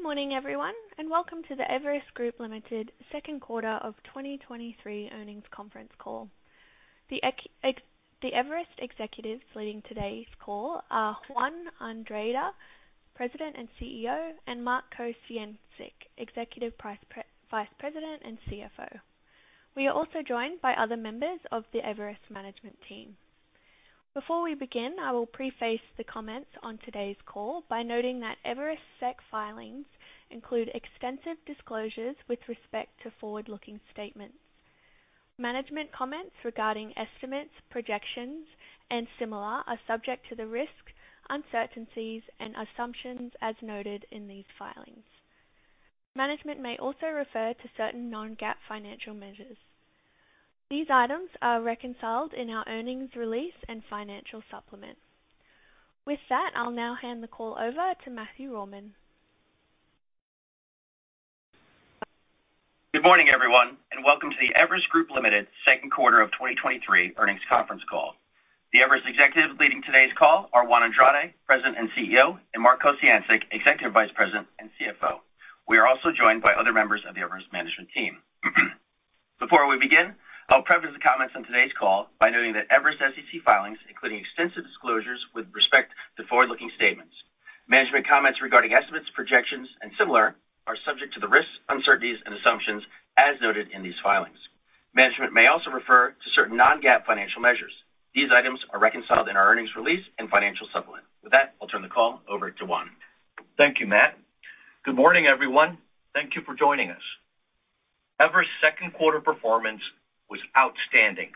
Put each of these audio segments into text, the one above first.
Good morning, everyone, and welcome to the Everest Group, Ltd. Q2 of 2023 earnings conference call. The Everest executives leading today's call are Juan Andrade, President and CEO, and Mark Kociancic, Executive Vice President and CFO. We are also joined by other members of the Everest management team. Before we begin, I will preface the comments on today's call by noting that Everest SEC filings include extensive disclosures with respect to forward-looking statements. Management comments regarding estimates, projections, and similar are subject to the risks, uncertainties, and assumptions as noted in these filings. Management may also refer to certain non-GAAP financial measures. These items are reconciled in our earnings release and financial supplement. With that, I'll now hand the call over to Matthew Rohrmann. Good morning, everyone, and welcome to the Everest Group Limited Q2 of 2023 earnings conference call. The Everest executive leading today's call are Juan Andrade, President and CEO, and Mark Kociancic, Executive Vice President and CFO. We are also joined by other members of the Everest management team. Before we begin, I'll preface the comments on today's call by noting that Everest SEC filings, including extensive disclosures with respect to forward-looking statements. Management comments regarding estimates, projections, and similar, are subject to the risks, uncertainties, and assumptions as noted in these filings. Management may also refer to certain non-GAAP financial measures. These items are reconciled in our earnings release and financial supplement. With that, I'll turn the call over to Juan. Thank you, Matt. Good morning, everyone. Thank you for joining us. Everest Q2 performance was outstanding.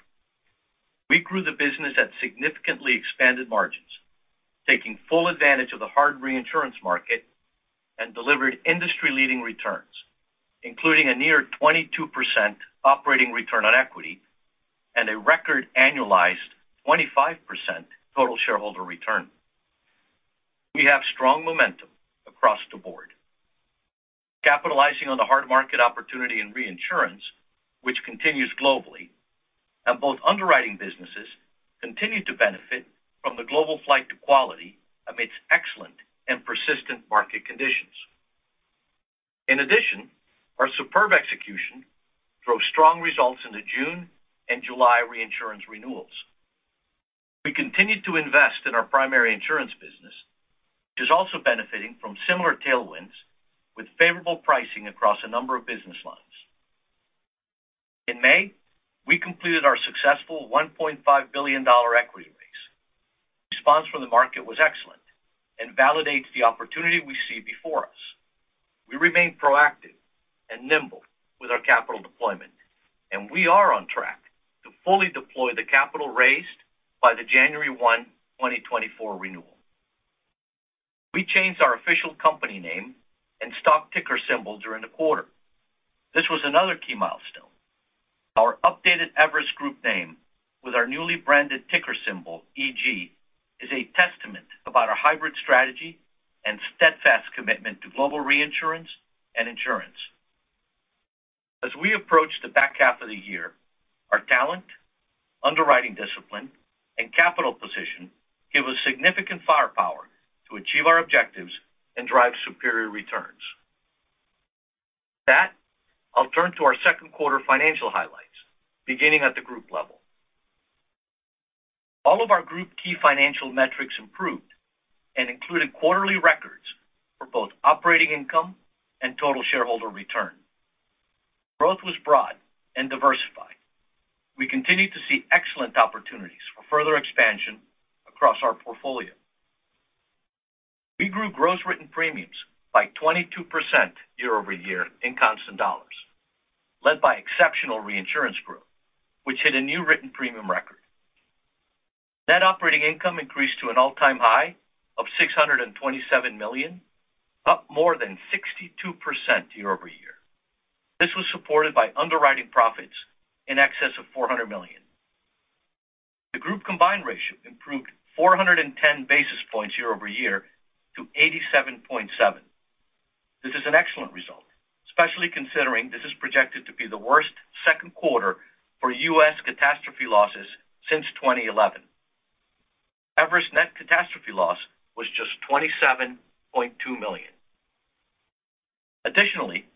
We grew the business at significantly expanded margins, taking full advantage of the hard reinsurance market. Delivered industry-leading returns, including a near 22% operating ROE and a record annualized 25% TSR. We have strong momentum across the board, capitalizing on the hard market opportunity in reinsurance, which continues globally. Both underwriting businesses continue to benefit from the global flight to quality amidst excellent and persistent market conditions. In addition, our superb execution drove strong results in the June and July reinsurance renewals. We continued to invest in our primary insurance business, which is also benefiting from similar tailwinds with favorable pricing across a number of business lines. In May, we completed our successful $1.5 billion equity raise. Response from the market was excellent and validates the opportunity we see before us. We remain proactive and nimble with our capital deployment, and we are on track to fully deploy the capital raised by the January 1, 2024 renewal. We changed our official company name and stock ticker symbols during the quarter. This was another key milestone. Our updated Everest Group name, with our newly branded ticker symbol, EG, is a testament about our hybrid strategy and steadfast commitment to global reinsurance and insurance. As we approach the back half of the year, our talent, underwriting discipline, and capital position give us significant firepower to achieve our objectives and drive superior returns. With that, I'll turn to our Q2 financial highlights, beginning at the group level. All of our group key financial metrics improved and included quarterly records for both operating income and total shareholder return. Growth was broad and diversified. We continued to see excellent opportunities for further expansion across our portfolio. We grew gross written premiums by 22% year-over-year in constant dollars, led by exceptional reinsurance growth, which hit a new written premium record. Net operating income increased to an all-time high of $627 million, up more than 62% year-over-year. This was supported by underwriting profits in excess of $400 million. The group combined ratio improved 410 basis points year-over-year to 87.7. This is an excellent result, especially considering this is projected to be the worst Q2 for U.S. catastrophe losses since 2011. Everest net catastrophe loss was just $27.2 million. Additionally,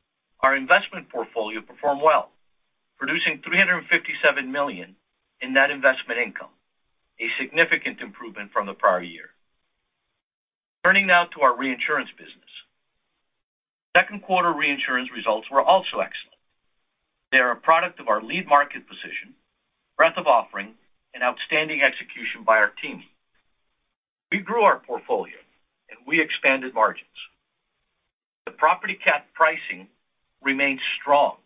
our investment portfolio performed well, producing $357 million in net investment income, a significant improvement from the prior year. Turning now to our reinsurance business. 2Q reinsurance results were also excellent. They are a product of our lead market position, breadth of offering, and outstanding execution by our team. We grew our portfolio, and we expanded margins. The property CAT pricing remained strong,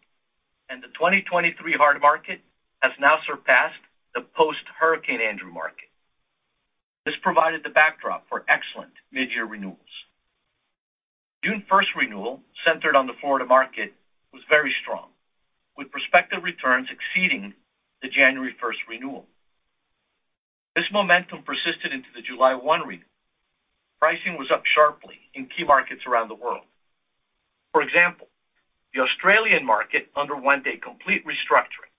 and the 2023 hard market has now surpassed the post-Hurricane Andrew market. This provided the backdrop for excellent midyear renewals. June first renewal, centered on the Florida market, was very strong, with prospective returns exceeding the January first renewal. This momentum persisted into the July 1 renewal. Pricing was up sharply in key markets around the world. For example, the Australian market underwent a complete restructuring,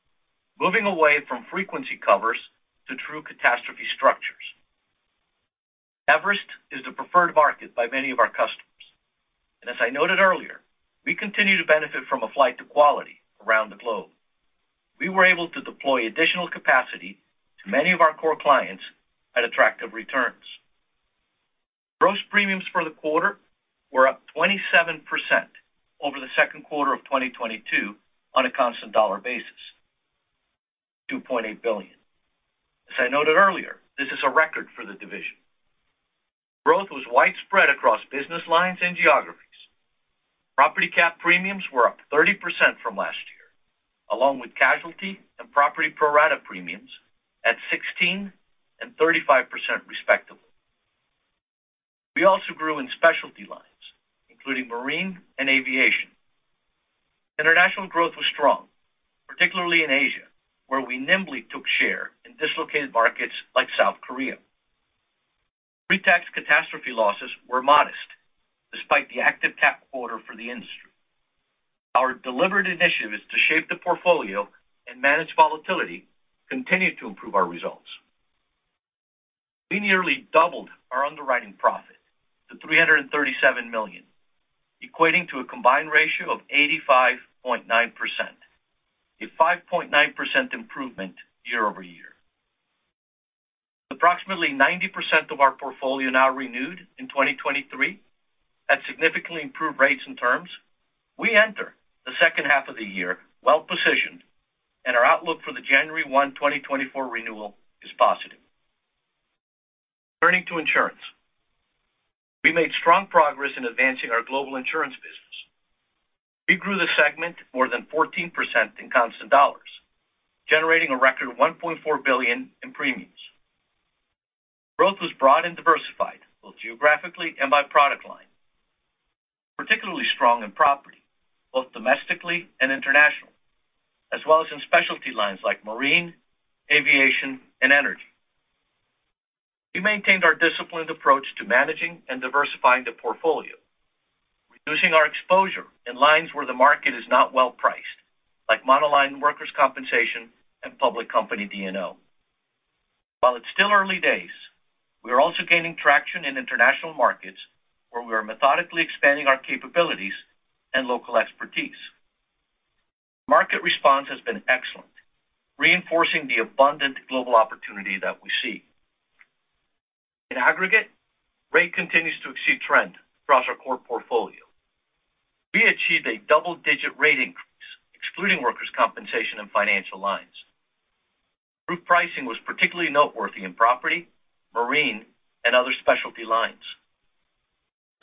moving away from frequency covers to true catastrophe structures. Everest is the preferred market by many of our customers, and as I noted earlier, we continue to benefit from a flight to quality around the globe. We were able to deploy additional capacity to many of our core clients at attractive returns. Gross premiums for the quarter were up 27% over the Q2 of 2022 on a constant dollar basis, $2.8 billion. As I noted earlier, this is a record for the division. Growth was widespread across business lines and geographies. Property CAT premiums were up 30% from last year, along with casualty and property pro rata premiums at 16% and 35%, respectively. We also grew in specialty lines, including marine and aviation. International growth was strong, particularly in Asia, where we nimbly took share in dislocated markets like South Korea. Pre-tax catastrophe losses were modest, despite the active CAT quarter for the industry. Our deliberate initiatives to shape the portfolio and manage volatility continued to improve our results. We nearly doubled our underwriting profit to $337 million, equating to a combined ratio of 85.9%, a 5.9% improvement year-over-year. Approximately 90% of our portfolio now renewed in 2023 at significantly improved rates and terms, we enter the second half of the year well-positioned, and our outlook for the January 1, 2024 renewal is positive. Turning to insurance. We made strong progress in advancing our global insurance business. We grew the segment more than 14% in constant dollars, generating a record of $1.4 billion in premiums. Growth was broad and diversified, both geographically and by product line, particularly strong in property, both domestically and internationally, as well as in specialty lines like marine, aviation, and energy. We maintained our disciplined approach to managing and diversifying the portfolio, reducing our exposure in lines where the market is not well priced, like monoline workers' compensation and public company DNO. While it's still early days, we are also gaining traction in international markets, where we are methodically expanding our capabilities and local expertise. Market response has been excellent, reinforcing the abundant global opportunity that we see. In aggregate, rate continues to exceed trend across our core portfolio. We achieved a double-digit rate increase, excluding workers' compensation and financial lines. Group pricing was particularly noteworthy in property, marine, and other specialty lines.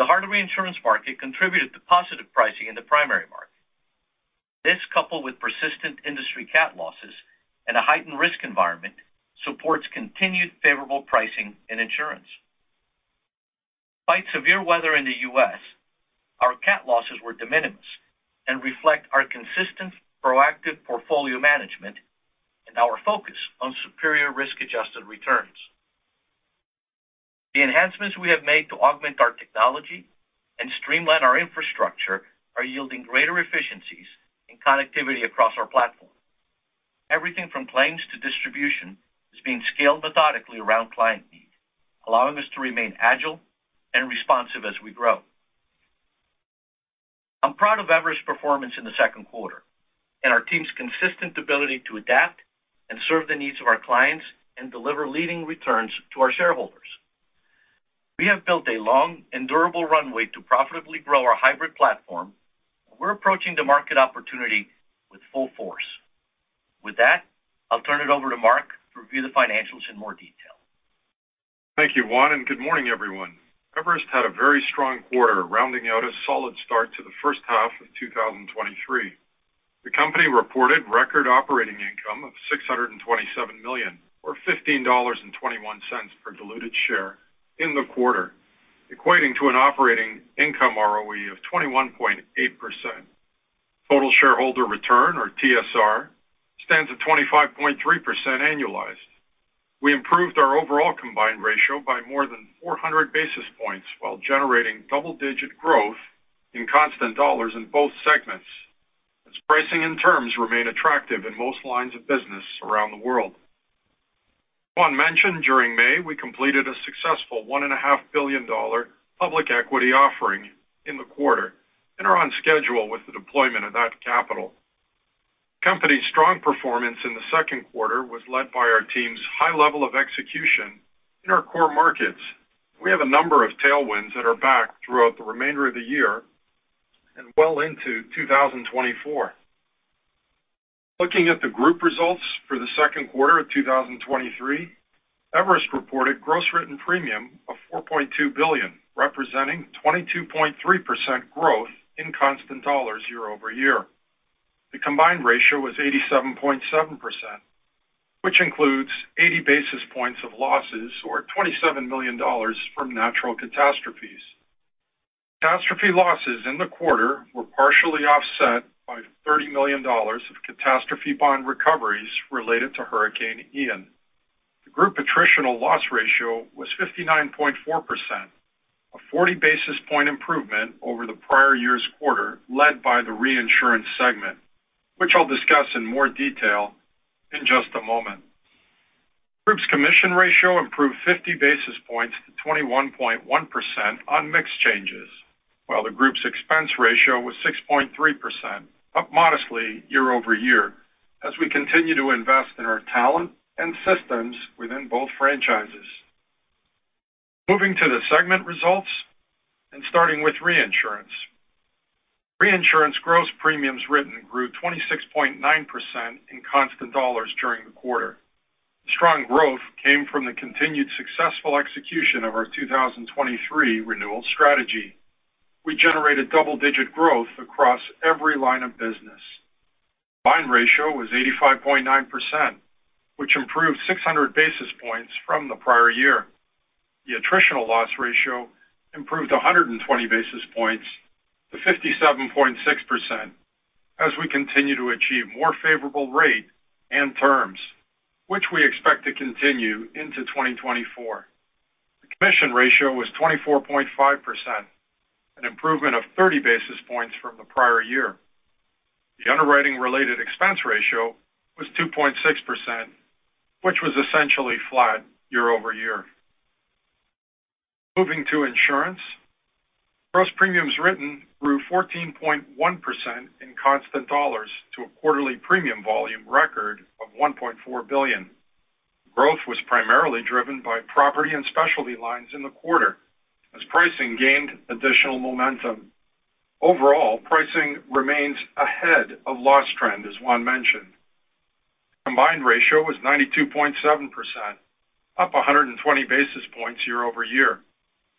The hard reinsurance market contributed to positive pricing in the primary market. This, coupled with persistent industry CAT losses and a heightened risk environment, supports continued favorable pricing and insurance. Despite severe weather in the U.S., our CAT losses were de minimis and reflect our consistent, proactive portfolio management and our focus on superior risk-adjusted returns. The enhancements we have made to augment our technology and streamline our infrastructure are yielding greater efficiencies and connectivity across our platform. Everything from claims to distribution is being scaled methodically around client need, allowing us to remain agile and responsive as we grow. I'm proud of Everest's performance in the Q2 and our team's consistent ability to adapt and serve the needs of our clients and deliver leading returns to our shareholders. We have built a long and durable runway to profitably grow our hybrid platform, and we're approaching the market opportunity with full force. With that, I'll turn it over to Mark to review the financials in more detail. Thank you, Juan, and good morning, everyone. Everest had a very strong quarter, rounding out a solid start to the first half of 2023. The company reported record operating income of $627 million, or $15.21 per diluted share in the quarter, equating to an operating income ROE of 21.8%. Total shareholder return, or TSR, stands at 25.3% annualized. We improved our overall combined ratio by more than 400 basis points while generating double-digit growth in constant dollars in both segments, as pricing and terms remain attractive in most lines of business around the world. Juan mentioned during May, we completed a successful $1.5 billion public equity offering in the quarter and are on schedule with the deployment of that capital. Company's strong performance in the Q2 was led by our team's high level of execution in our core markets. We have a number of tailwinds that are back throughout the remainder of the year and well into 2024. Looking at the group results for the Q2 of 2023, Everest reported gross written premium of $4.2 billion, representing 22.3% growth in constant dollars year-over-year. The combined ratio was 87.7%, which includes 80 basis points of losses or $27 million from natural catastrophes. Catastrophe losses in the quarter were partially offset by $30 million of catastrophe bond recoveries related to Hurricane Ian. attritional loss ratio was 59.4%, a 40 basis point improvement over the prior year's quarter, led by the reinsurance segment, which I'll discuss in more detail in just a moment. Group's commission ratio improved 50 basis points to 21.1% on mixed changes, while the group's expense ratio was 6.3%, up modestly year-over-year, as we continue to invest in our talent and systems within both franchises. Moving to the segment results and starting with reinsurance. Reinsurance gross premiums written grew 26.9% in constant dollars during the quarter. The strong growth came from the continued successful execution of our 2023 renewal strategy. We generated double-digit growth across every line of business. Combined ratio was 85.9%, which improved 600 basis points from the prior year. The attritional loss ratio improved 120 basis points to 57.6% as we continue to achieve more favorable rate and terms, which we expect to continue into 2024. The commission ratio was 24.5%, an improvement of 30 basis points from the prior year. The underwriting-related expense ratio was 2.6%, which was essentially flat year-over-year. Moving to insurance, gross premiums written grew 14.1% in constant dollars to a quarterly premium volume record of $1.4 billion. Growth was primarily driven by property and specialty lines in the quarter as pricing gained additional momentum. Overall, pricing remains ahead of loss trend, as Juan mentioned. Combined ratio was 92.7%, up 120 basis points year-over-year.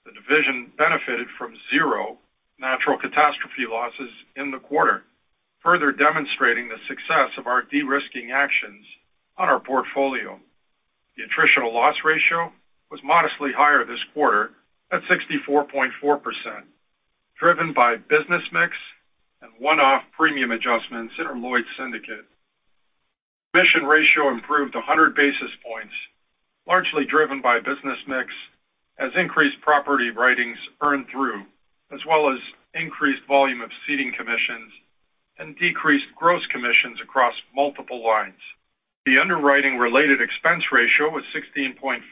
The division benefited from 0 natural catastrophe losses in the quarter, further demonstrating the success of our de-risking actions on our portfolio. The attritional loss ratio was modestly higher this quarter at 64.4%, driven by business mix and one-off premium adjustments in our Lloyd's syndicate. Commission ratio improved 100 basis points, largely driven by business mix, as increased property writings earned through, as well as increased volume of ceding commissions and decreased gross commissions across multiple lines. The underwriting-related expense ratio was 16.5%,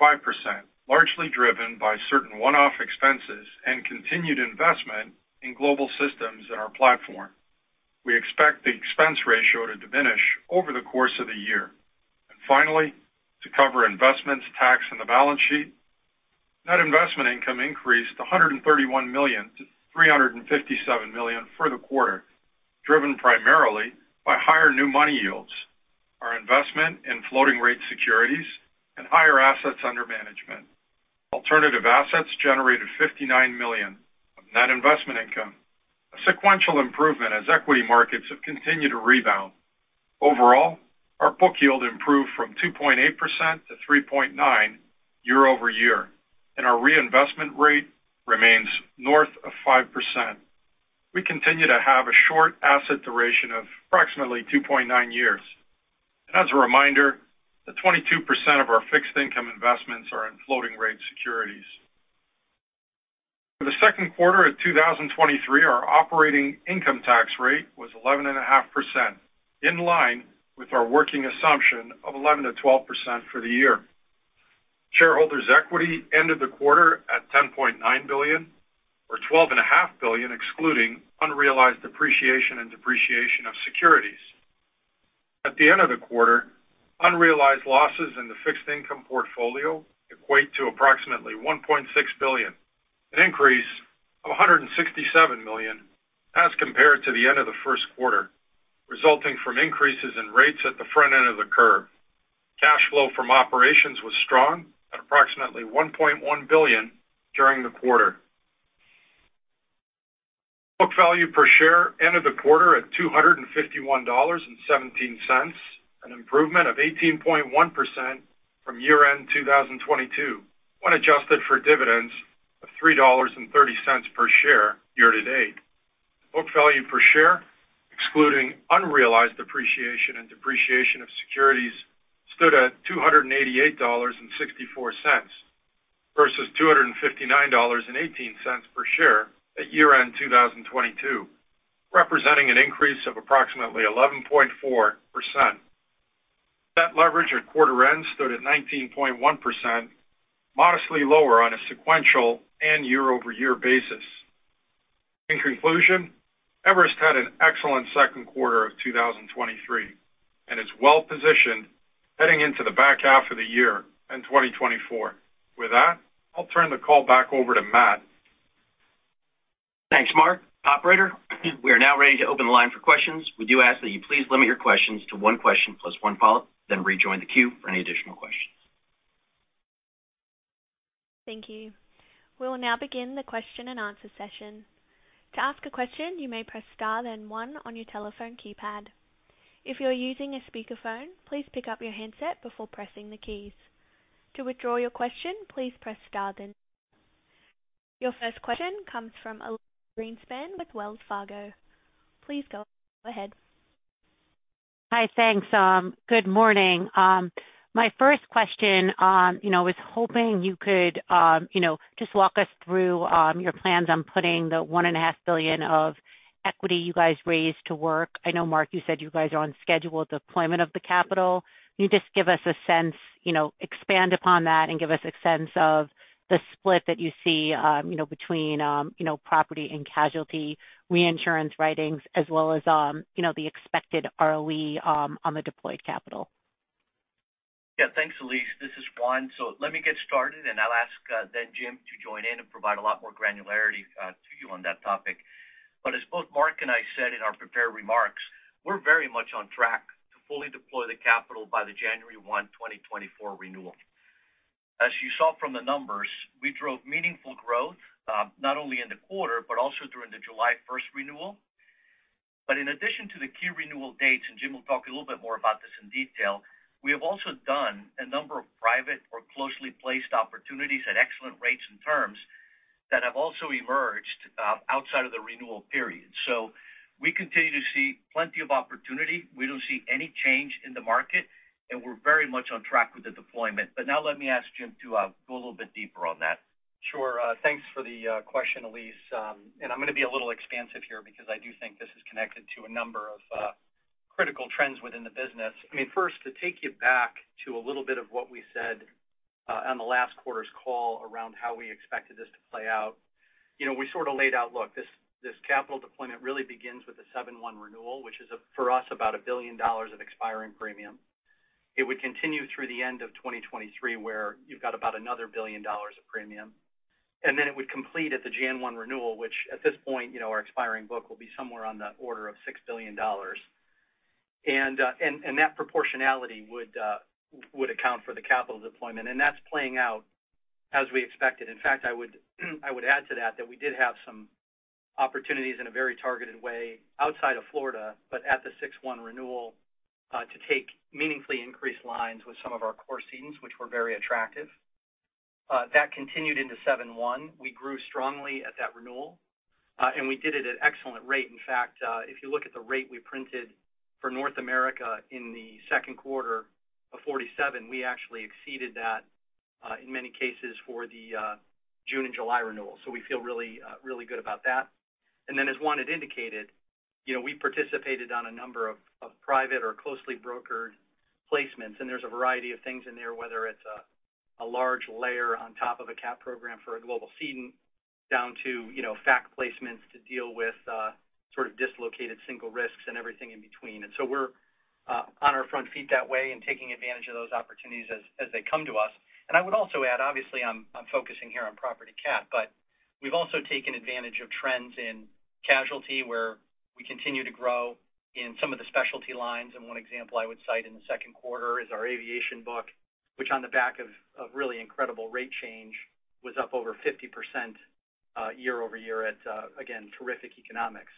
largely driven by certain one-off expenses and continued investment in global systems in our platform. We expect the expense ratio to diminish over the course of the year. Finally, to cover investments, tax, and the balance sheet, net investment income increased to $131 million to $357 million for the quarter, driven primarily by higher new money yields, our investment in floating rate securities, and higher assets under management. Alternative assets generated $59 million of net investment income, a sequential improvement as equity markets have continued to rebound. Overall, our book yield improved from 2.8% to 3.9% year-over-year, and our reinvestment rate remains north of 5%. We continue to have a short asset duration of approximately 2.9 years. As a reminder, that 22% of our fixed income investments are in floating rate securities. For the Q2 of 2023, our operating income tax rate was 11.5%, in line with our working assumption of 11%-12% for the year. Shareholders' equity ended the quarter at $10.9 billion, or $12.5 billion, excluding unrealized appreciation and depreciation of securities. At the end of the quarter, unrealized losses in the fixed income portfolio equate to approximately $1.6 billion, an increase of $167 million as compared to the end of the Q1, resulting from increases in rates at the front end of the curve. Cash flow from operations was strong at approximately $1.1 billion during the quarter. Book value per share ended the quarter at $251.17, an improvement of 18.1% from year-end 2022, when adjusted for dividends of $3.30 per share year to date. Book value per share, excluding unrealized appreciation and depreciation of securities, stood at $288.64, versus $259.18 per share at year-end 2022, representing an increase of approximately 11.4%. Debt leverage at quarter end stood at 19.1%, modestly lower on a sequential and year-over-year basis. In conclusion, Everest had an excellent Q2 of 2023 and is well-positioned heading into the back half of the year in 2024. With that, I'll turn the call back over to Matt. Thanks, Mark. Operator, we are now ready to open the line for questions. We do ask that you please limit your questions to one question plus one follow-up, then rejoin the queue for any additional questions. Thank you. We will now begin the question-and-answer session. To ask a question, you may press star, then one on your telephone keypad. If you are using a speakerphone, please pick up your handset before pressing the keys. To withdraw your question, please press star then two. Your first question comes from Elyse Greenspan with Wells Fargo. Please go ahead. Hi, thanks. Good morning. My first question, you know, I was hoping you could, you know, just walk us through your plans on putting the one and a half billion of equity you guys raised to work. I know, Mark, you said you guys are on schedule with deployment of the capital. Can you just give us a sense, you know, expand upon that and give us a sense of the split that you see, you know, between, you know, property and casualty, reinsurance writings, as well as, you know, the expected ROE on the deployed capital? Yeah. Thanks, Elyse. This is Juan. Let me get started, and I'll ask then Jim to join in and provide a lot more granularity to you on that topic. As both Mark and I said in our prepared remarks, we're very much on track to fully deploy the capital by the January 1, 2024 renewal. As you saw from the numbers, we drove meaningful growth, not only in the quarter, but also during the July 1 renewal. In addition to the key renewal dates, and Jim will talk a little bit more about this in detail, we have also done a number of private or closely placed opportunities at excellent rates and terms that have also emerged outside of the renewal period. We continue to see plenty of opportunity. We don't see any change in the market, and we're very much on track with the deployment. Now let me ask Jim to go a little bit deeper on that. Sure. Thanks for the question, Elyse. I'm going to be a little expansive here because I do think this is connected to a number of critical trends within the business. I mean, first, to take you back to a little bit of what we said on the last quarter's call around how we expected this to play out. You know, we sort of laid out, look, this, this capital deployment really begins with the 7/1 renewal, which is, for us, about $1 billion of expiring premium. It would continue through the end of 2023, where you've got about another $1 billion of premium. It would complete at the Jan 1 renewal, which at this point, you know, our expiring book will be somewhere on the order of $6 billion. That proportionality would account for the capital deployment, and that's playing out as we expected. In fact, I would add to that, that we did have some opportunities in a very targeted way outside of Florida, but at the 6/1 renewal, to take meaningfully increased lines with some of our core cedents, which were very attractive. That continued into 7/1. We grew strongly at that renewal, and we did it at excellent rate. In fact, if you look at the rate we printed for North America in the Q2 of 47, we actually exceeded that in many cases for the June and July renewals. We feel really good about that. As Juan had indicated, you know, we participated on a number of private or closely brokered placements, and there's a variety of things in there, whether it's a large layer on top of a CAT program for a global cedent, down to, you know, fact placements to deal with sort of dislocated single risks and everything in between. We're on our front feet that way and taking advantage of those opportunities as they come to us. I would also add, obviously, I'm focusing here on property CAT, but we've also taken advantage of trends in casualty, where we continue to grow in some of the specialty lines. One example I would cite in the Q2 is our aviation book, which on the back of really incredible rate change, was up over 50% year-over-year at again, terrific economics.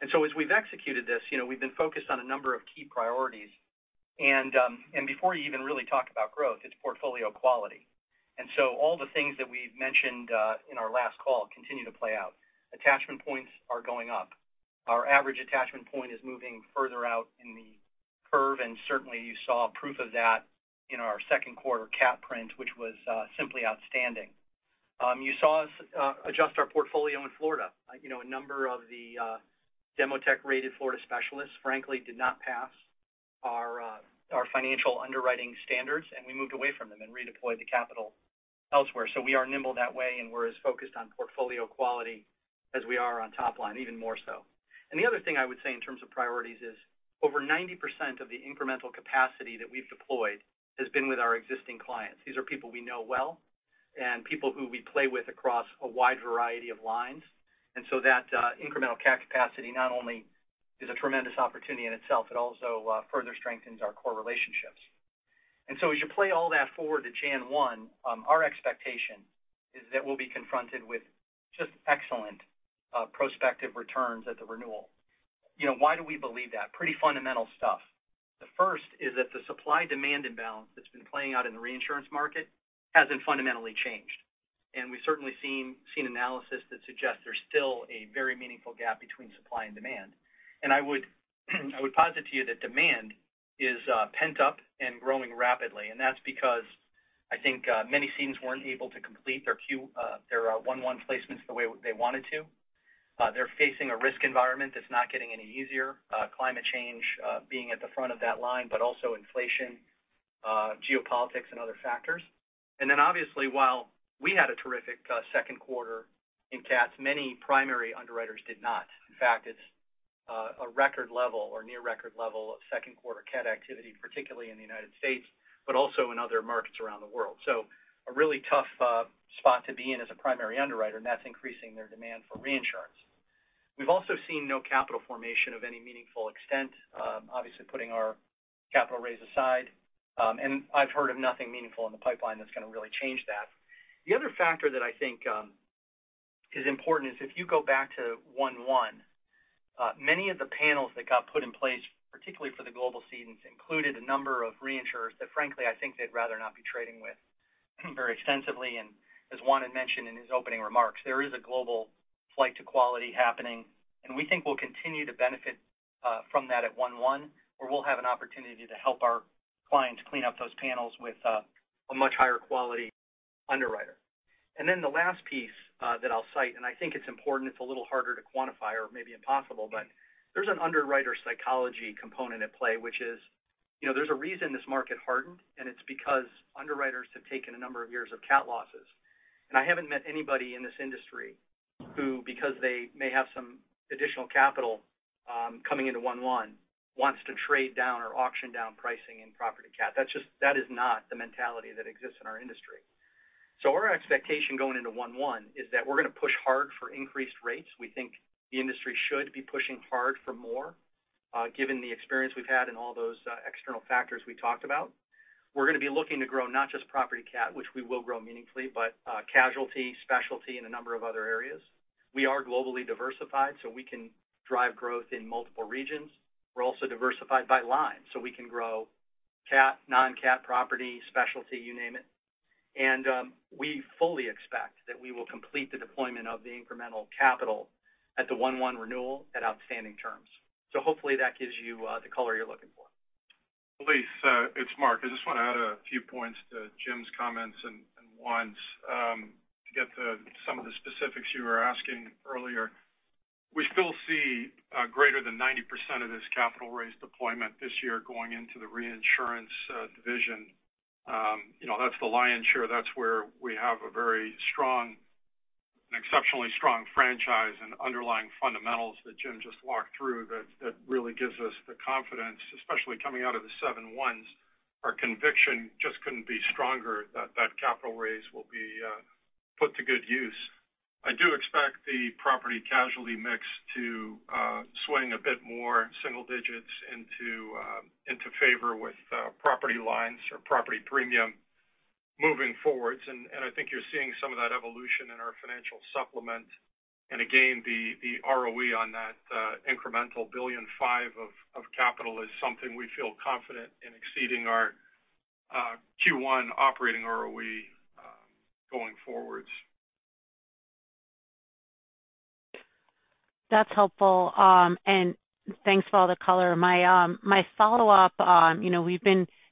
As we've executed this, you know, we've been focused on a number of key priorities. Before you even really talk about growth, it's portfolio quality. All the things that we've mentioned in our last call continue to play out. Attachment points are going up. Our average attachment point is moving further out in the curve, and certainly, you saw proof of that in our Q2 CAT print, which was simply outstanding. You saw us adjust our portfolio in Florida. You know, a number of the Demotech-rated Florida specialists, frankly, did not pass our financial underwriting standards, and we moved away from them and redeployed the capital elsewhere. We are nimble that way, and we're as focused on portfolio quality as we are on top line, even more so. The other thing I would say in terms of priorities is: over 90% of the incremental capacity that we've deployed has been with our existing clients. These are people we know well and people who we play with across a wide variety of lines. That incremental CAT capacity not only is a tremendous opportunity in itself, it also further strengthens our core relationships. As you play all that forward to January 1, our expectation is that we'll be confronted with just excellent prospective returns at the renewal. You know, why do we believe that? Pretty fundamental stuff. The first is that the supply-demand imbalance that's been playing out in the reinsurance market hasn't fundamentally changed, and we've certainly seen analysis that suggests there's still a very meaningful gap between supply and demand. I would posit to you that demand is pent up and growing rapidly, and that's because I think many cedents weren't able to complete their Q, their one-one placements the way they wanted to. They're facing a risk environment that's not getting any easier, climate change being at the front of that line, but also inflation, geopolitics and other factors. Obviously, while we had a terrific Q2 in CAT, many primary underwriters did not. In fact, it's a record level or near record level of Q2 CAT activity, particularly in the United States, but also in other markets around the world. A really tough spot to be in as a primary underwriter, and that's increasing their demand for reinsurance. We've also seen no capital formation of any meaningful extent, obviously, putting our capital raise aside, I've heard of nothing meaningful in the pipeline that's going to really change that. The other factor that I think is important is if you go back to 1/1, many of the panels that got put in place, particularly for the global cedants, included a number of reinsurers that, frankly, I think they'd rather not be trading with very extensively. As Juan had mentioned in his opening remarks, there is a global flight to quality happening, and we think we'll continue to benefit from that at 1/1, where we'll have an opportunity to help our clients clean up those panels with a much higher quality underwriter. The last piece that I'll cite, and I think it's important, it's a little harder to quantify or maybe impossible, but there's an underwriter psychology component at play, which is, you know, there's a reason this market hardened, and it's because underwriters have taken a number of years of CAT losses. I haven't met anybody in this industry who, because they may have some additional capital coming into 1/1, wants to trade down or auction down pricing in property CAT. That is not the mentality that exists in our industry. Our expectation going into 1/1 is that we're going to push hard for increased rates. We think the industry should be pushing hard for more, given the experience we've had and all those external factors we talked about. We're going to be looking to grow not just property CAT, which we will grow meaningfully, but casualty, specialty, and a number of other areas. We are globally diversified, so we can drive growth in multiple regions. We're also diversified by line, so we can grow CAT, non-CAT, property, specialty, you name it. We fully expect that we will complete the deployment of the incremental capital at the 1/1 renewal at outstanding terms. Hopefully that gives you the color you're looking for. Elyse, it's Mark. I just want to add a few points to Jim's comments and Juan's. To get to some of the specifics you were asking earlier, we still see greater than 90% of this capital raise deployment this year going into the reinsurance division. You know, that's the lion's share. That's where we have a very strong, an exceptionally strong franchise and underlying fundamentals that Jim just walked through, that really gives us the confidence, especially coming out of the seven-ones. Our conviction just couldn't be stronger that that capital raise will be put to good use. I do expect the property casualty mix to swing a bit more single digits into favor with property lines or property premium moving forwards. I think you're seeing some of that evolution in our financial supplement. Again, the ROE on that incremental $1.5 billion of capital is something we feel confident in exceeding our Q1 operating ROE going forwards. That's helpful. Thanks for all the color. My, my follow-up, you know,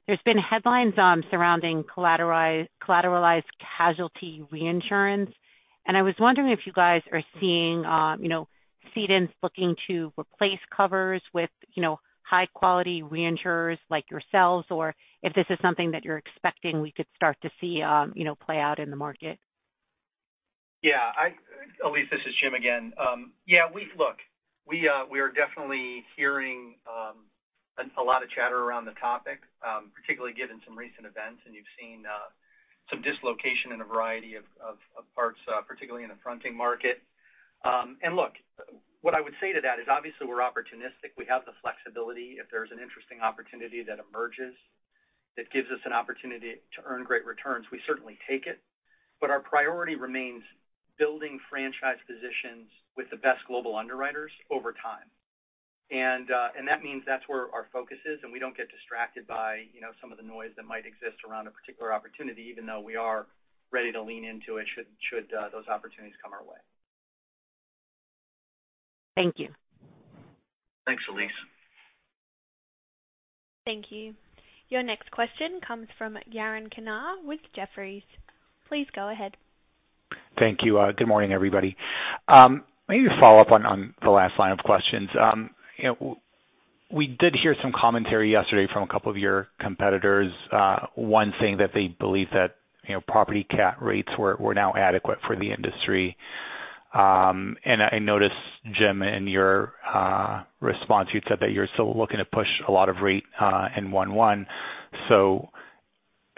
There's been headlines, surrounding collateralized casualty reinsurance. I was wondering if you guys are seeing, you know, cedants looking to replace covers with, you know, high-quality reinsurers like yourselves, or if this is something that you're expecting we could start to see, you know, play out in the market? Yeah, Elyse, this is Jim again. Yeah, we are definitely hearing a lot of chatter around the topic, particularly given some recent events, and you've seen some dislocation in a variety of parts, particularly in the fronting market. Look, what I would say to that is, obviously, we're opportunistic. We have the flexibility. If there's an interesting opportunity that emerges, that gives us an opportunity to earn great returns, we certainly take it. Our priority remains building franchise positions with the best global underwriters over time. That means that's where our focus is, and we don't get distracted by, you know, some of the noise that might exist around a particular opportunity, even though we are ready to lean into it, should those opportunities come our way. Thank you. Thanks, Elise. Thank you. Your next question comes from Yaron Kinar with Jefferies. Please go ahead. Thank you. Good morning, everybody. Maybe to follow up on the last line of questions. You know, we did hear some commentary yesterday from a couple of your competitors, one saying that they believe that, you know, property CAT rates were now adequate for the industry. I noticed, Jim, in your response, you've said that you're still looking to push a lot of rate in 1/1.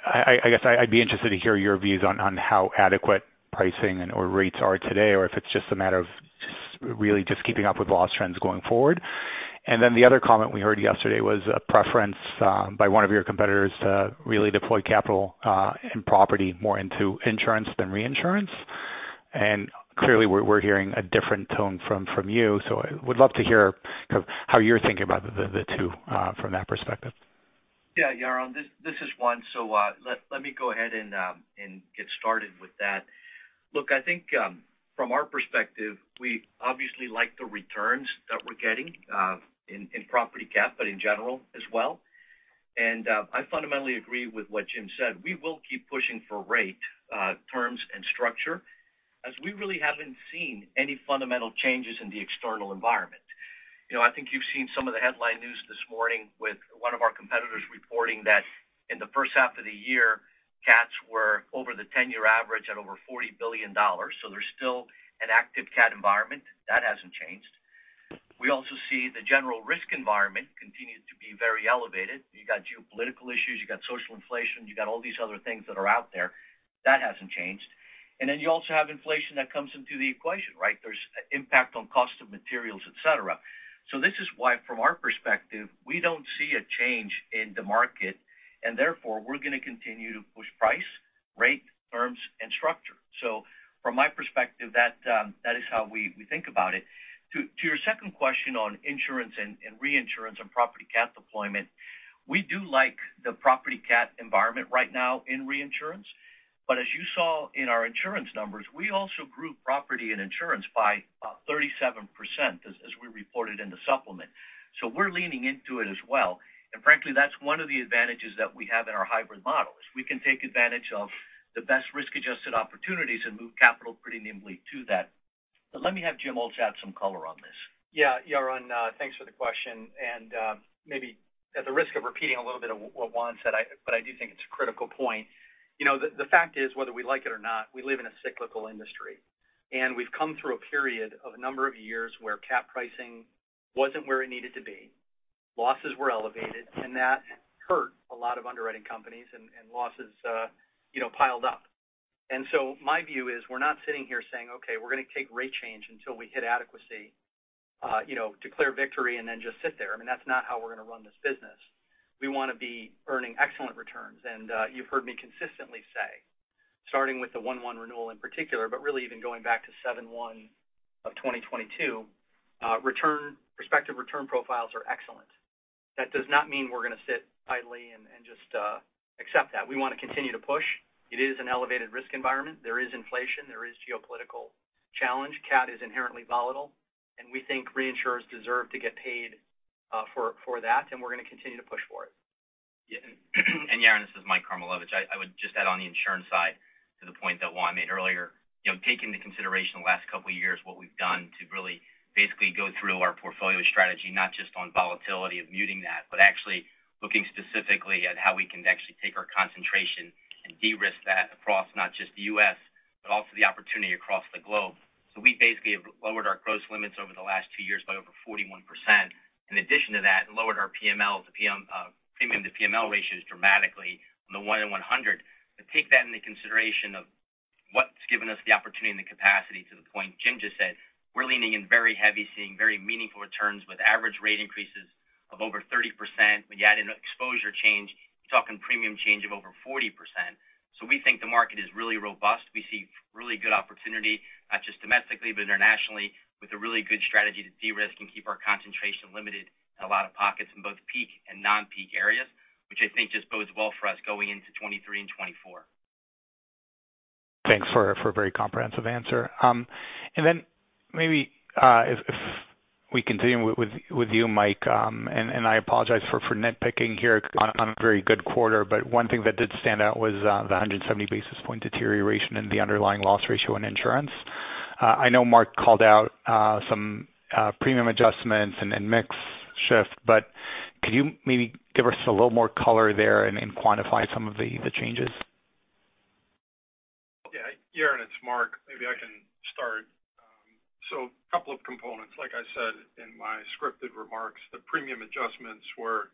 I guess I'd be interested to hear your views on how adequate pricing and or rates are today, or if it's just a matter of really just keeping up with loss trends going forward. The other comment we heard yesterday was a preference by one of your competitors to really deploy capital in property more into insurance than reinsurance. Clearly, we're hearing a different tone from you. I would love to hear kind of how you're thinking about the two from that perspective. Yaron, this is Juan. Let me go ahead and get started with that. I think, from our perspective, we obviously like the returns that we're getting in property CAT, but in general as well. I fundamentally agree with what Jim Williamson said. We will keep pushing for rate, terms, and structure, as we really haven't seen any fundamental changes in the external environment. You know, I think you've seen some of the headline news this morning with one of our competitors reporting that in the first half of the year, CATs were over the 10-year average at over $40 billion. There's still an active CAT environment. That hasn't changed. We also see the general risk environment continues to be very elevated. You got geopolitical issues, you got social inflation, you got all these other things that are out there. That hasn't changed. You also have inflation that comes into the equation, right? There's impact on cost of materials, et cetera. This is why, from our perspective, we don't see a change in the market, and therefore, we're going to continue to push price. ...rate, terms, and structure. So from my perspective, that is how we think about it. To your second question on insurance and reinsurance and property CAT deployment, we do like the property CAT environment right now in reinsurance, but as you saw in our insurance numbers, we also grew property and insurance by 37%, as we reported in the supplement. We're leaning into it as well. And frankly, that's one of the advantages that we have in our hybrid model, is we can take advantage of the best risk-adjusted opportunities and move capital pretty nimbly to that. But let me have Jim add some color on this. Yeah, Yaron, thanks for the question, and maybe at the risk of repeating a little bit of what Juan said, but I do think it's a critical point. You know, the fact is, whether we like it or not, we live in a cyclical industry, and we've come through a period of a number of years where CAT pricing wasn't where it needed to be. Losses were elevated, and that hurt a lot of underwriting companies and losses, you know, piled up. My view is, we're not sitting here saying, "Okay, we're going to take rate change until we hit adequacy, you know, declare victory, and then just sit there." I mean, that's not how we're going to run this business. We want to be earning excellent returns, and you've heard me consistently say, starting with the 1/1 renewal in particular, but really even going back to 7/1 of 2022, prospective return profiles are excellent. That does not mean we're going to sit idly and just accept that. We want to continue to push. It is an elevated risk environment. There is inflation. There is geopolitical challenge. CAT is inherently volatile, and we think reinsurers deserve to get paid for that, and we're going to continue to push for it. Yaron, this is Michael Karmilowicz. I would just add on the insurance side to the point that Juan made earlier. You know, taking into consideration the last couple of years, what we've done to really basically go through our portfolio strategy, not just on volatility of muting that, but actually looking specifically at how we can actually take our concentration and de-risk that across not just the US, but also the opportunity across the globe. We basically have lowered our gross limits over the last two years by over 41%. In addition to that, lowered our PML to PM, premium to PML ratios dramatically on the 1 in 100. Take that into consideration of what's given us the opportunity and the capacity to the point Jim just said. We're leaning in very heavy, seeing very meaningful returns with average rate increases of over 30%. When you add in exposure change, you're talking premium change of over 40%. We think the market is really robust. We see really good opportunity, not just domestically, but internationally, with a really good strategy to de-risk and keep our concentration limited in a lot of pockets in both peak and non-peak areas, which I think just bodes well for us going into 2023 and 2024. Thanks for a, for a very comprehensive answer. Then maybe, if we continue with you, Mike, and I apologize for nitpicking here on a very good quarter, but one thing that did stand out was the 170 basis points deterioration in the underlying loss ratio in insurance. I know Mark called out some premium adjustments and mix shift, but could you maybe give us a little more color there and quantify some of the changes? Yeah, Yaron, it's Mark. Maybe I can start. Couple of components. Like I said in my scripted remarks, the premium adjustments were,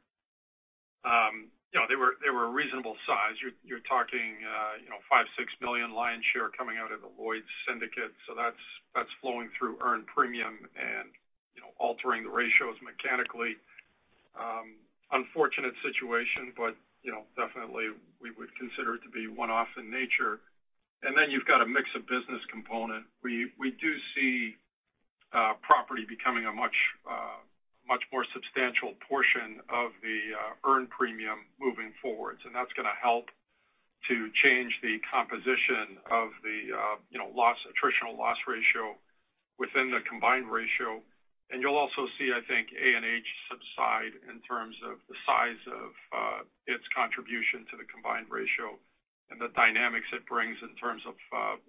you know, they were a reasonable size. You're talking, you know, $5 million-$6 million lion share coming out of the Lloyd's syndicate. That's flowing through earned premium and, you know, altering the ratios mechanically. Unfortunate situation, but, you know, definitely we would consider it to be one-off in nature. Then you've got a mix of business component. We do see property becoming a much more substantial portion of the earned premium moving forwards, and that's going to help to change the composition of the, you know, loss, attritional loss ratio within the combined ratio. You'll also see, I think, A&H subside in terms of the size of its contribution to the combined ratio and the dynamics it brings in terms of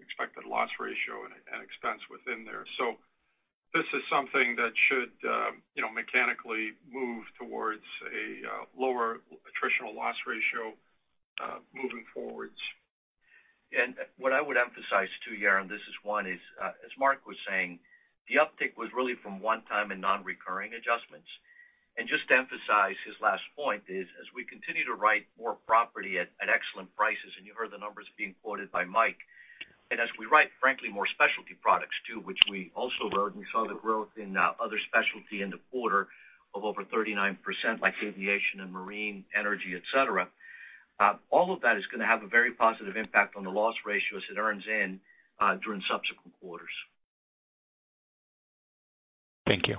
expected loss ratio and, and expense within there. This is something that should, you know, mechanically move towards a lower attritional loss ratio moving forwards. What I would emphasize, too, Yaron, this is Juan, is as Mark was saying, the uptick was really from one-time and non-recurring adjustments. Just to emphasize his last point is, as we continue to write more property at excellent prices, and you heard the numbers being quoted by Mike, and as we write, frankly, more specialty products, too, which we also wrote, and you saw the growth in other specialty in the quarter of over 39%, like aviation and marine, energy, et cetera. All of that is going to have a very positive impact on the loss ratio as it earns in during subsequent quarters. Thank you.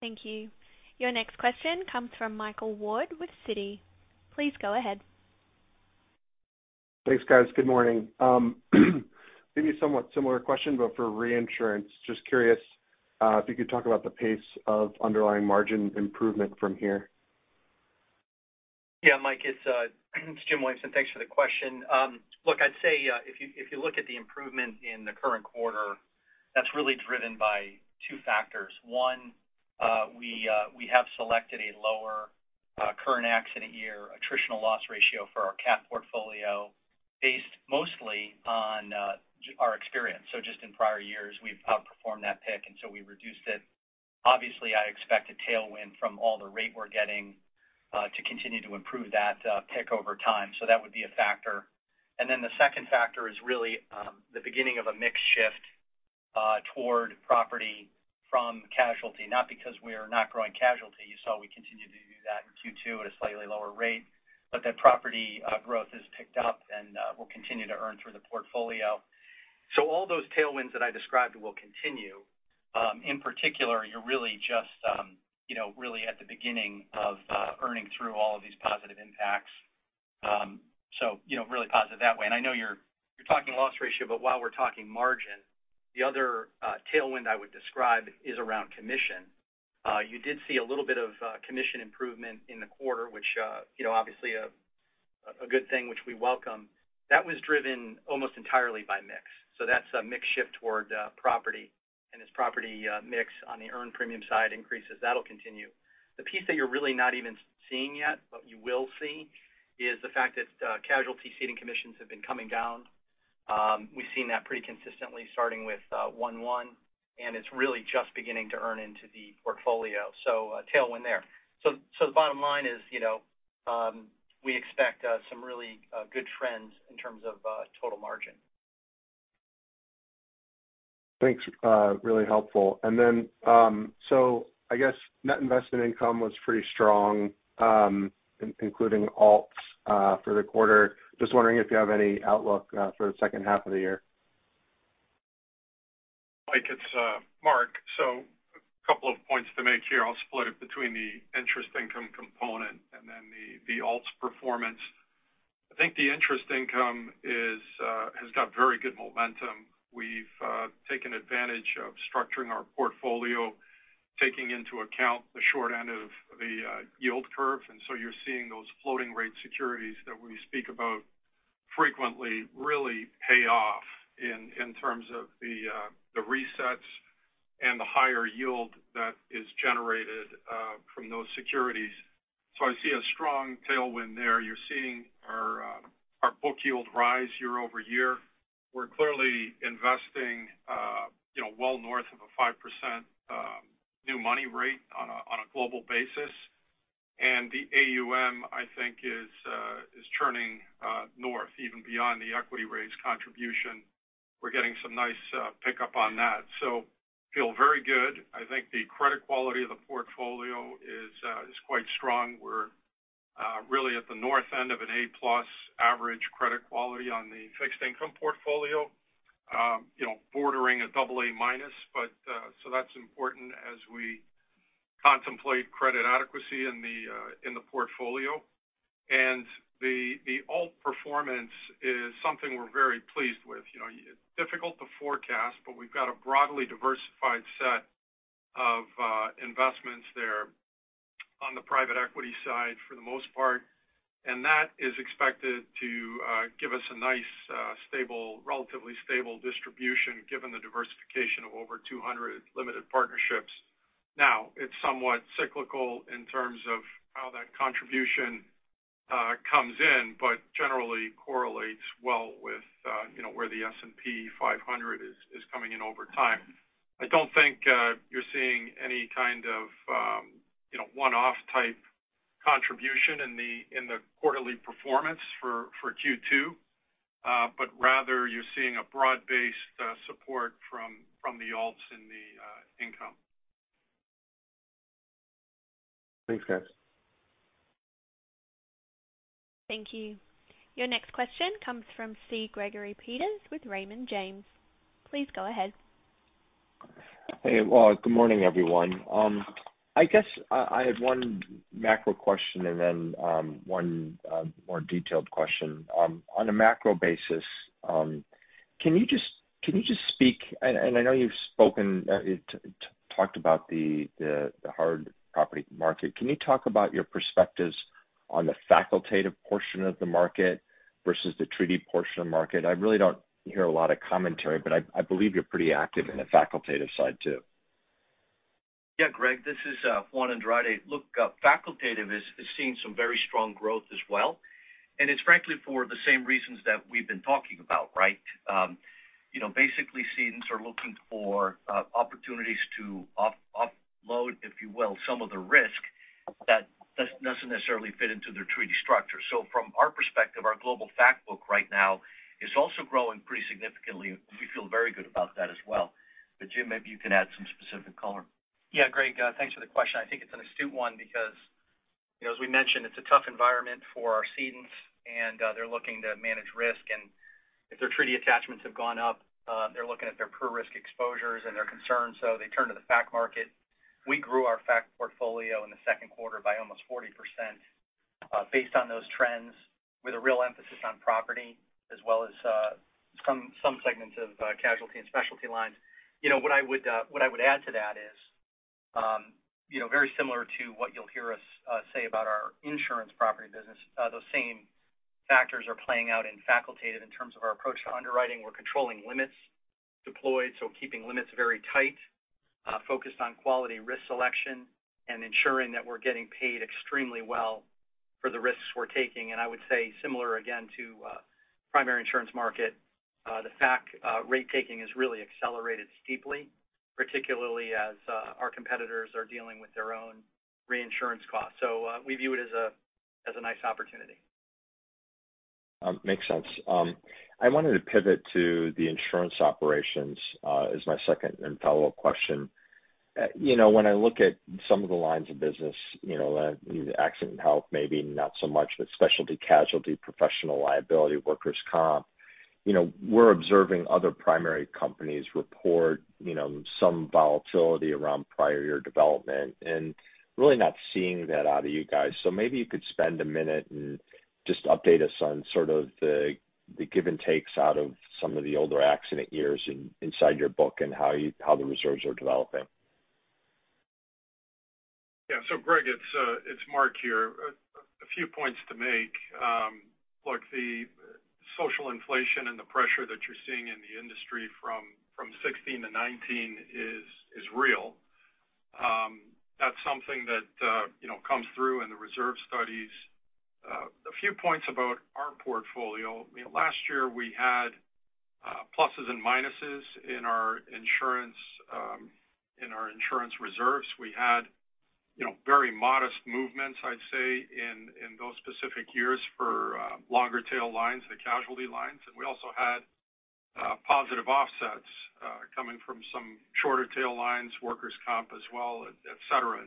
Thank you. Your next question comes from Michael Ward with Citi. Please go ahead. Thanks, guys. Good morning. Maybe a somewhat similar question, but for reinsurance, just curious, if you could talk about the pace of underlying margin improvement from here? Yeah, Mike, it's Jim Williamson. Thanks for the question. Look, I'd say, if you look at the improvement in the current quarter, that's really driven by two factors. One, we have selected a lower current accident year, attritional loss ratio for our CAT portfolio, based mostly on our experience. Just in prior years, we've outperformed that pick, and so we reduced it. Obviously, I expect a tailwind from all the rate we're getting to continue to improve that pick over time. That would be a factor. The second factor is really the beginning of a mix shift.... toward property from casualty, not because we are not growing casualty. You saw we continued to do that in Q2 at a slightly lower rate, but that property growth has picked up and will continue to earn through the portfolio. All those tailwinds that I described will continue. In particular, you're really just, you know, really at the beginning of earning through all of these positive impacts. You know, really positive that way. I know you're, you're talking loss ratio, but while we're talking margin, the other tailwind I would describe is around commission. You did see a little bit of commission improvement in the quarter, which, you know, obviously, a good thing, which we welcome. That was driven almost entirely by mix. That's a mix shift toward property. As property mix on the earned premium side increases, that'll continue. The piece that you're really not even seeing yet, but you will see, is the fact that casualty ceding commissions have been coming down. We've seen that pretty consistently starting with one-one, and it's really just beginning to earn into the portfolio. A tailwind there. The bottom line is, you know, we expect some really good trends in terms of total margin. Thanks, really helpful. I guess net investment income was pretty strong, including alts, for the quarter. Just wondering if you have any outlook for the second half of the year. Mike, it's Mark. A couple of points to make here. I'll split it between the interest income component and then the, the alts performance. I think the interest income is has got very good momentum. We've taken advantage of structuring our portfolio, taking into account the short end of the yield curve, and so you're seeing those floating rate securities that we speak about frequently, really pay off in, in terms of the resets and the higher yield that is generated from those securities. I see a strong tailwind there. You're seeing our book yield rise year-over-year. We're clearly investing, you know, well north of a 5% new money rate on a global basis. The AUM, I think, is churning north, even beyond the equity raise contribution. We're getting some nice pickup on that, so feel very good. I think the credit quality of the portfolio is quite strong. We're really at the north end of an A+ average credit quality on the fixed income portfolio. You know, bordering a AA-, but so that's important as we contemplate credit adequacy in the portfolio. The alt performance is something we're very pleased with. You know, it's difficult to forecast, but we've got a broadly diversified set of investments there on the private equity side, for the most part, and that is expected to give us a nice, stable, relatively stable distribution, given the diversification of over 200 limited partnerships. Now, it's somewhat cyclical in terms of how that contribution, comes in, but generally correlates well with, you know, where the S&P 500 is coming in over time. I don't think, you're seeing any kind of, you know, one-off type contribution in the, in the quarterly performance for, for Q2. Rather you're seeing a broad-based, support from the alts in the, income. Thanks, guys. Thank you. Your next question comes from C. Gregory Peters with Raymond James. Please go ahead. Hey, well, good morning, everyone. I guess I have one macro question and then one more detailed question. On a macro basis, I know you've spoken, talked about the hard property market. Can you talk about your perspectives on the facultative portion of the market versus the treaty portion of the market? I really don't hear a lot of commentary, but I believe you're pretty active in the facultative side, too. Yeah, Greg, this is Juan Andrade. Look, facultative is seeing some very strong growth as well, and it's frankly for the same reasons that we've been talking about, right? You know, basically, cedents are looking for opportunities to offload, if you will, some of the risk that doesn't necessarily fit into their treaty structure. From our perspective, our global fac book right now is also growing pretty significantly. We feel very good about that as well. Jim, maybe you can add some specific color. Yeah, Greg, thanks for the question. I think it's an astute one because, you know, as we mentioned, it's a tough environment for our cedents, and they're looking to manage risk, and if their treaty attachments have gone up, they're looking at their per risk exposures, and they're concerned, so they turn to the fac market. We grew our fac portfolio in the Q2 by almost 40%, based on those trends, with a real emphasis on property, as well as some segments of casualty and specialty lines. You know, what I would add to that is, you know, very similar to what you'll hear us say about our insurance property business, those same factors are playing out in facultative in terms of our approach to underwriting. We're controlling limits deployed, keeping limits very tight, focused on quality and risk selection, and ensuring that we're getting paid extremely well for the risks we're taking. I would say similar, again, to primary insurance market, the fac rate taking has really accelerated steeply, particularly as our competitors are dealing with their own reinsurance costs. We view it as a nice opportunity. ... makes sense. I wanted to pivot to the insurance operations, as my second and follow-up question. You know, when I look at some of the lines of business, you know, Accident Health, maybe not so much, but Specialty Casualty, Professional Liability, Workers' Comp, you know, we're observing other primary companies report, you know, some volatility around prior year development and really not seeing that out of you guys. Maybe you could spend a minute and just update us on sort of the, the give and takes out of some of the older accident years inside your book and how you, how the reserves are developing. Greg, it's, it's Mark here. A few points to make. Look, the social inflation and the pressure that you're seeing in the industry from 16-19 is, is real. That's something that, you know, comes through in the reserve studies. A few points about our portfolio. You know, last year we had pluses and minuses in our insurance, in our insurance reserves. We had, you know, very modest movements, I'd say, in, in those specific years for longer tail lines, the casualty lines. We also had positive offsets coming from some shorter tail lines, workers' comp as well, et cetera.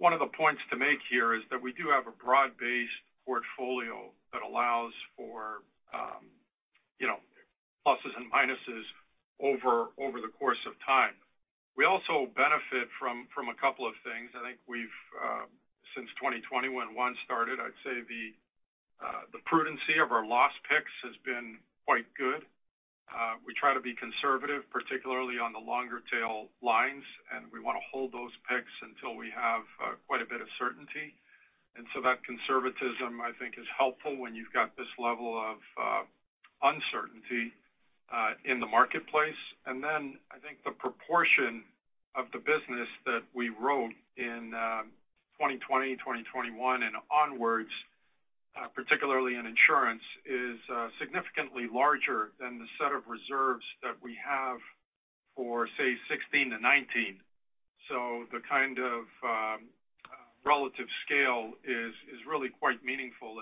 One of the points to make here is that we do have a broad-based portfolio that allows for, you know, pluses and minuses over the course of time. We also benefit from a couple of things. I think we've since 2021 started, I'd say the prudency of our loss picks has been quite good. We try to be conservative, particularly on the longer tail lines, and we want to hold those picks until we have quite a bit of certainty. That conservatism, I think, is helpful when you've got this level of uncertainty in the marketplace. I think the proportion of the business that we wrote in 2020, 2021 and onwards, particularly in insurance, is significantly larger than the set of reserves that we have for, say, 16 to 19. The kind of relative scale is really quite meaningful.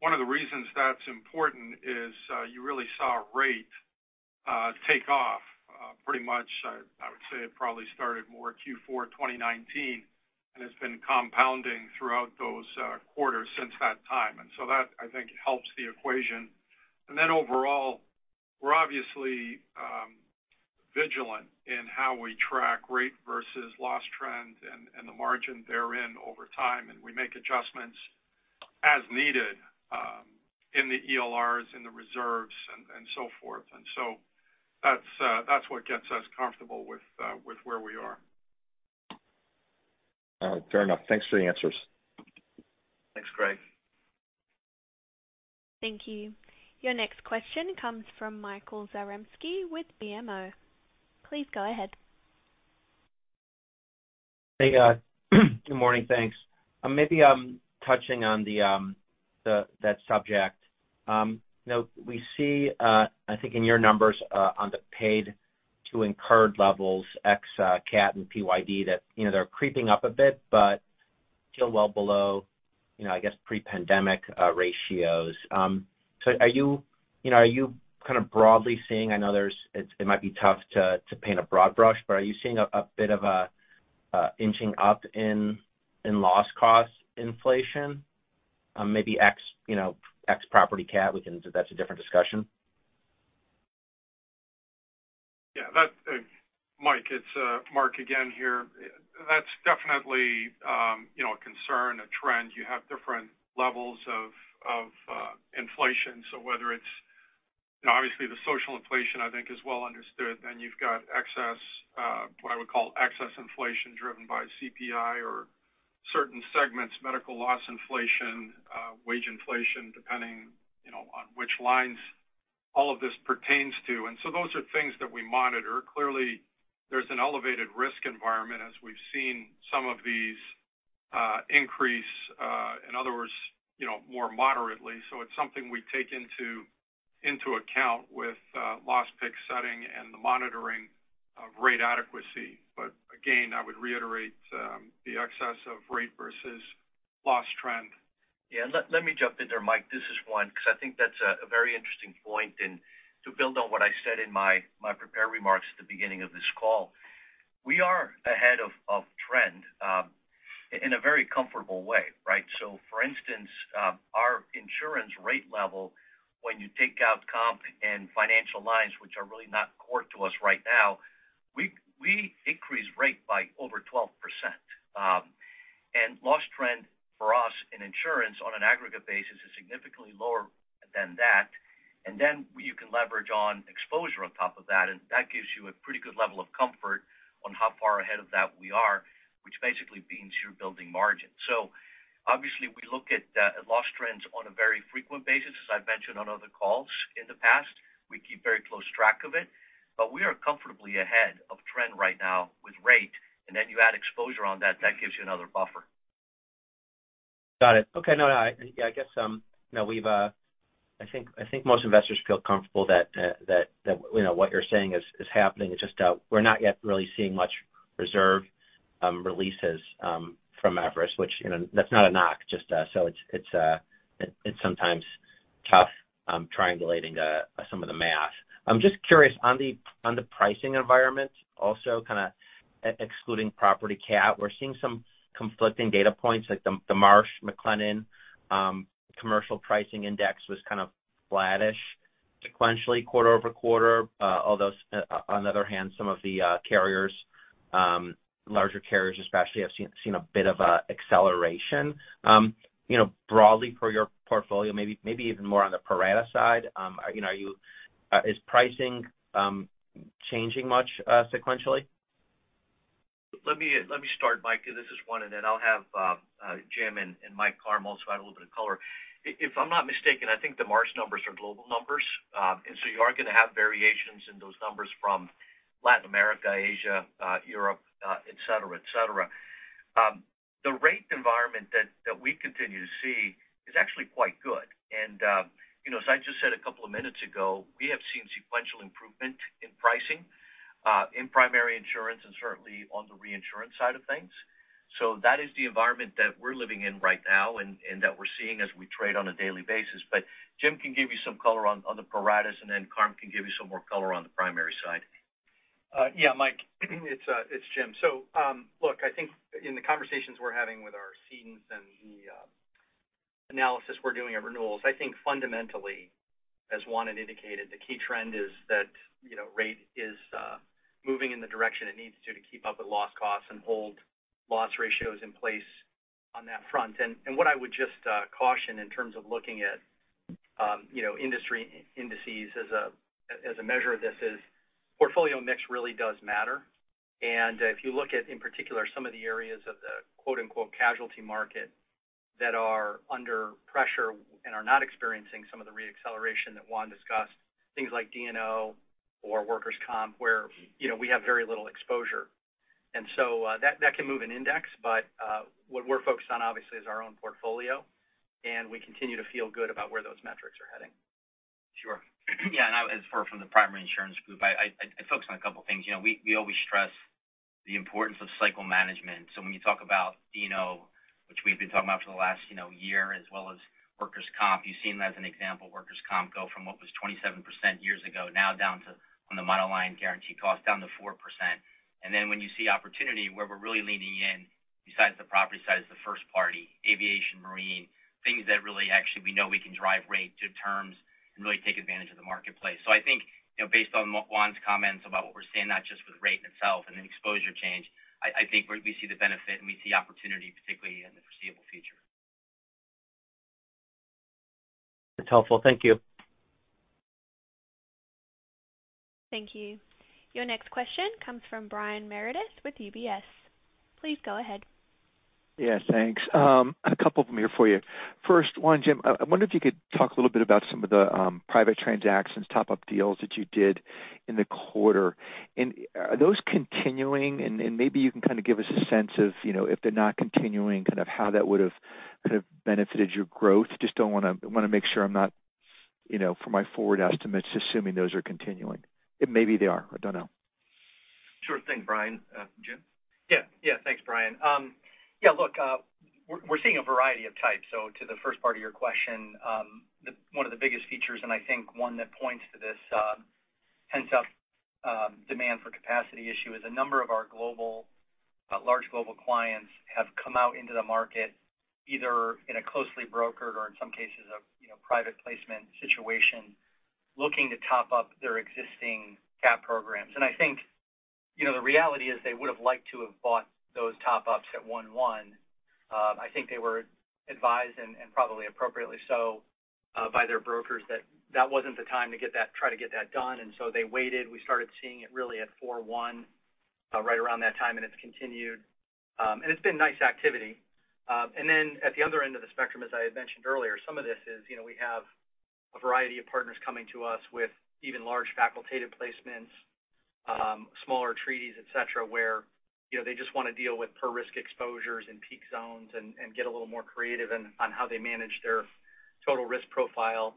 One of the reasons that's important is you really saw rate take off pretty much, I would say it probably started more Q4 2019, and it's been compounding throughout those quarters since that time. That, I think, helps the equation. Overall, we're obviously vigilant in how we track rate versus loss trends and the margin therein over time, and we make adjustments as needed in the ELRs, in the reserves and so forth. That's what gets us comfortable with where we are. All right, fair enough. Thanks for the answers. Thanks, Greg. Thank you. Your next question comes from Michael Zaremski with BMO. Please go ahead. Hey, good morning, thanks. Maybe touching on the, that subject. Now we see, I think in your numbers, on the paid to incurred levels, ex CAT and PYD, that, you know, they're creeping up a bit, but still well below, you know, I guess pre-pandemic ratios. Are you, you know, are you kind of broadly seeing, I know it might be tough to paint a broad brush, but are you seeing a bit of a inching up in loss cost inflation? Maybe ex, you know, ex property CAT, we can, that's a different discussion. Yeah, that, Mike, it's Mark again here. That's definitely, you know, a concern, a trend. You have different levels of inflation, so whether it's, you know, obviously the social inflation, I think is well understood. Then you've got excess, what I would call excess inflation, driven by CPI or certain segments, medical loss inflation, wage inflation, depending, you know, on which lines all of this pertains to. Those are things that we monitor. Clearly, there's an elevated risk environment as we've seen some of these increase, in other words, you know, more moderately. So it's something we take into account with loss pick setting and the monitoring of rate adequacy. Again, I would reiterate, the excess of rate versus loss trend. Yeah, let me jump in there, Mike. This is Juan, because I think that's a very interesting point, and to build on what I said in my prepared remarks at the beginning of this call. We are ahead of trend in a very comfortable way, right? For instance, our insurance rate level, when you take out comp and financial lines, which are really not core to us right now, we increase rate by over 12%. Loss trend for us in insurance on an aggregate basis is significantly lower than that. You can leverage on exposure on top of that, and that gives you a pretty good level of comfort on how far ahead of that we are, which basically means you're building margin. Obviously, we look at loss trends on a very frequent basis, as I've mentioned on other calls in the past. We keep very close track of it, but we are comfortably ahead of trend right now with rate, and then you add exposure on that, that gives you another buffer. Got it. Okay, no, no, I guess, you know, we've I think most investors feel comfortable that, that, you know, what you're saying is, is happening. It's just, we're not yet really seeing much reserve releases from Everest, which, you know, that's not a knock, just, so it's sometimes tough triangulating some of the math. I'm just curious, on the pricing environment, also kind of excluding property CAT, we're seeing some conflicting data points like the Marsh McLennan commercial pricing index was kind of flattish sequentially, quarter-over-quarter. Although, on the other hand, some of the carriers, larger carriers especially, have seen a bit of acceleration. You know, broadly for your portfolio, maybe even more on the pro rata side, are, you know, are you, is pricing, changing much, sequentially? Let me start, Mike, because this is one, and then I'll have Jim and Mike Karm also add a little bit of color. If I'm not mistaken, I think the Marsh numbers are global numbers. You are going to have variations in those numbers from Latin America, Asia, Europe, et cetera, et cetera. The rate environment that we continue to see is actually quite good. You know, as I just said a couple of minutes ago, we have seen sequential improvement in pricing, in primary insurance and certainly on the reinsurance side of things. That is the environment that we're living in right now and that we're seeing as we trade on a daily basis. Jim can give you some color on the pro rata, and then Karm can give you some more color on the primary side. Yeah, Mike, it's Jim. Look, I think in the conversations we're having with our cedents and the analysis we're doing at renewals, I think fundamentally, as Juan had indicated, the key trend is that, you know, rate is moving in the direction it needs to, to keep up with loss costs and hold loss ratios in place on that front. What I would just caution in terms of looking at, you know, industry indices as a measure of this is, portfolio mix really does matter. If you look at, in particular, some of the areas of the, quote, unquote, "casualty market" that are under pressure and are not experiencing some of the reacceleration that Juan discussed, things like DNO or workers' comp, where, you know, we have very little exposure. That can move an index, but what we're focused on, obviously, is our own portfolio, and we continue to feel good about where those metrics are heading. Sure. Yeah, I as far from the primary insurance group, I focused on a couple things. You know, we always stress the importance of cycle management. When you talk about DNO, which we've been talking about for the last, you know, year, as well as workers' comp, you've seen as an example, workers' comp go from what was 27% years ago, now down to, on the monoline guarantee cost, down to 4%. Then when you see opportunity, where we're really leaning in, besides the property side, is the first party, aviation, marine, things that really actually we know we can drive rate to terms and really take advantage of the marketplace. I think, you know, based on Juan's comments about what we're seeing, not just with rate itself and an exposure change, I think we see the benefit, and we see opportunity, particularly in the foreseeable future. That's helpful. Thank you. Thank you. Your next question comes from Brian Meredith with UBS. Please go ahead. Yes, thanks. A couple of them here for you. First, Juan and Jim, I wonder if you could talk a little bit about some of the private transactions, top-up deals that you did in the quarter. Are those continuing? Maybe you can kind of give us a sense of, you know, if they're not continuing, kind of how that would've kind of benefited your growth. I wanna make sure I'm not, you know, for my forward estimates, assuming those are continuing. Maybe they are, I don't know. Sure thing, Brian. Jim? Yeah. Yeah. Thanks, Brian. Yeah, look, we're seeing a variety of types. So to the first part of your question, the one of the biggest features, and I think one that points to this, hence up demand for capacity issue, is a number of our global large global clients have come out into the market, either in a closely brokered or in some cases, a, you know, private placement situation, looking to top up their existing CAT programs. I think, you know, the reality is, they would have liked to have bought those top ups at one-one. I think they were advised, and probably appropriately so, by their brokers, that wasn't the time to try to get that done. They waited. We started seeing it really at 4/1, right around that time, and it's continued. It's been nice activity. Then, at the other end of the spectrum, as I had mentioned earlier, some of this is, you know, we have a variety of partners coming to us with even large facultative placements, smaller treaties, et cetera, where, you know, they just want to deal with per risk exposures and peak zones and, and get a little more creative in, on how they manage their total risk profile,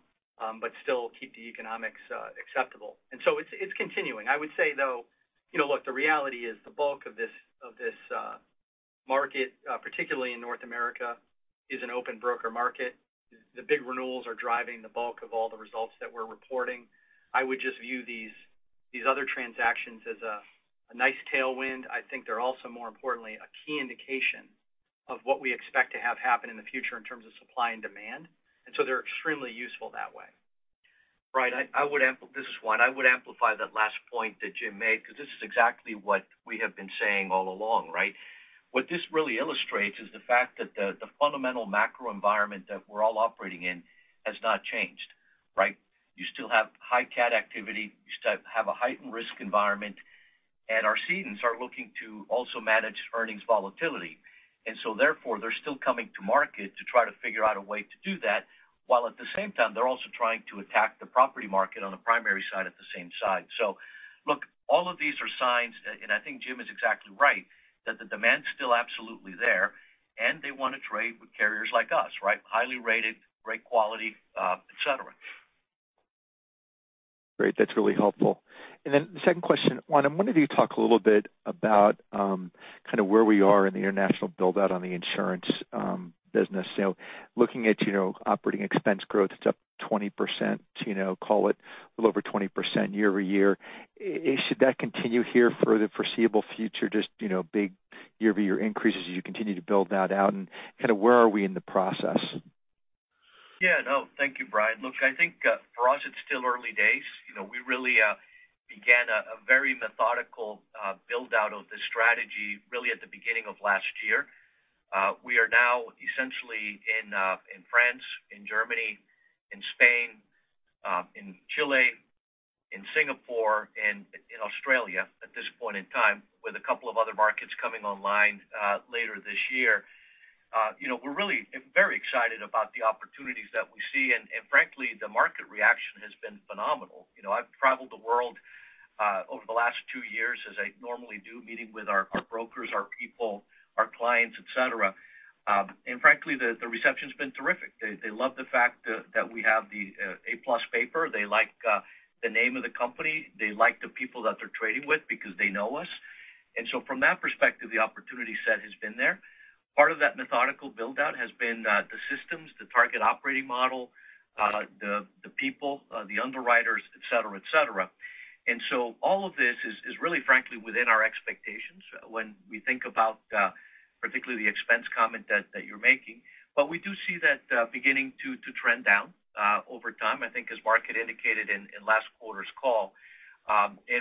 but still keep the economics acceptable. It's continuing. I would say, though, you know, look, the reality is the bulk of this market, particularly in North America, is an open broker market. The big renewals are driving the bulk of all the results that we're reporting. I would just view these other transactions as a nice tailwind. I think they're also, more importantly, a key indication of what we expect to have happen in the future in terms of supply and demand, and so they're extremely useful that way. Brian, I would amplify that last point that Jim Williamson made, because this is exactly what we have been saying all along, right? What this really illustrates is the fact that the fundamental macro environment that we're all operating in has not changed, right? You still have high CAT activity, you still have a heightened risk environment, and our cedents are looking to also manage earnings volatility. Therefore, they're still coming to market to try to figure out a way to do that, while at the same time, they're also trying to attack the property market on the primary side, at the same side. All of these are signs, and I think Jim Williamson is exactly right, that the demand's still absolutely there, and they want to trade with carriers like us, right? Highly rated, great quality, et cetera. Great. That's really helpful. The second question, one, I'm wondering if you talk a little bit about, kind of where we are in the international build-out on the insurance business. You know, looking at, you know, operating expense growth, it's up 20%, you know, call it a little over 20% year-over-year. Should that continue here for the foreseeable future? Just, you know, big year-over-year increases as you continue to build that out, and kind of where are we in the process? Thank you, Brian. Look, I think, for us, it's still early days. You know, we really began a very methodical build-out of the strategy really at the beginning of last year. We are now essentially in France, in Germany, in Spain, in Chile, in Singapore, and in Australia at this point in time, with a couple of other markets coming online later this year. You know, we're really very excited about the opportunities that we see, and frankly, the market reaction has been phenomenal. You know, I've traveled the world over the last 2 years, as I normally do, meeting with our brokers, our people, our clients, et cetera. Frankly, the reception's been terrific. They love the fact that we have the A+ paper. They like the name of the company. They like the people that they're trading with because they know us. From that perspective, the opportunity set has been there. Part of that methodical build-out has been the systems, the target operating model, the people, the underwriters, et cetera, et cetera. All of this is really frankly within our expectations when we think about particularly the expense comment that you're making. We do see that beginning to trend down over time, I think, as Mark had indicated in last quarter's call.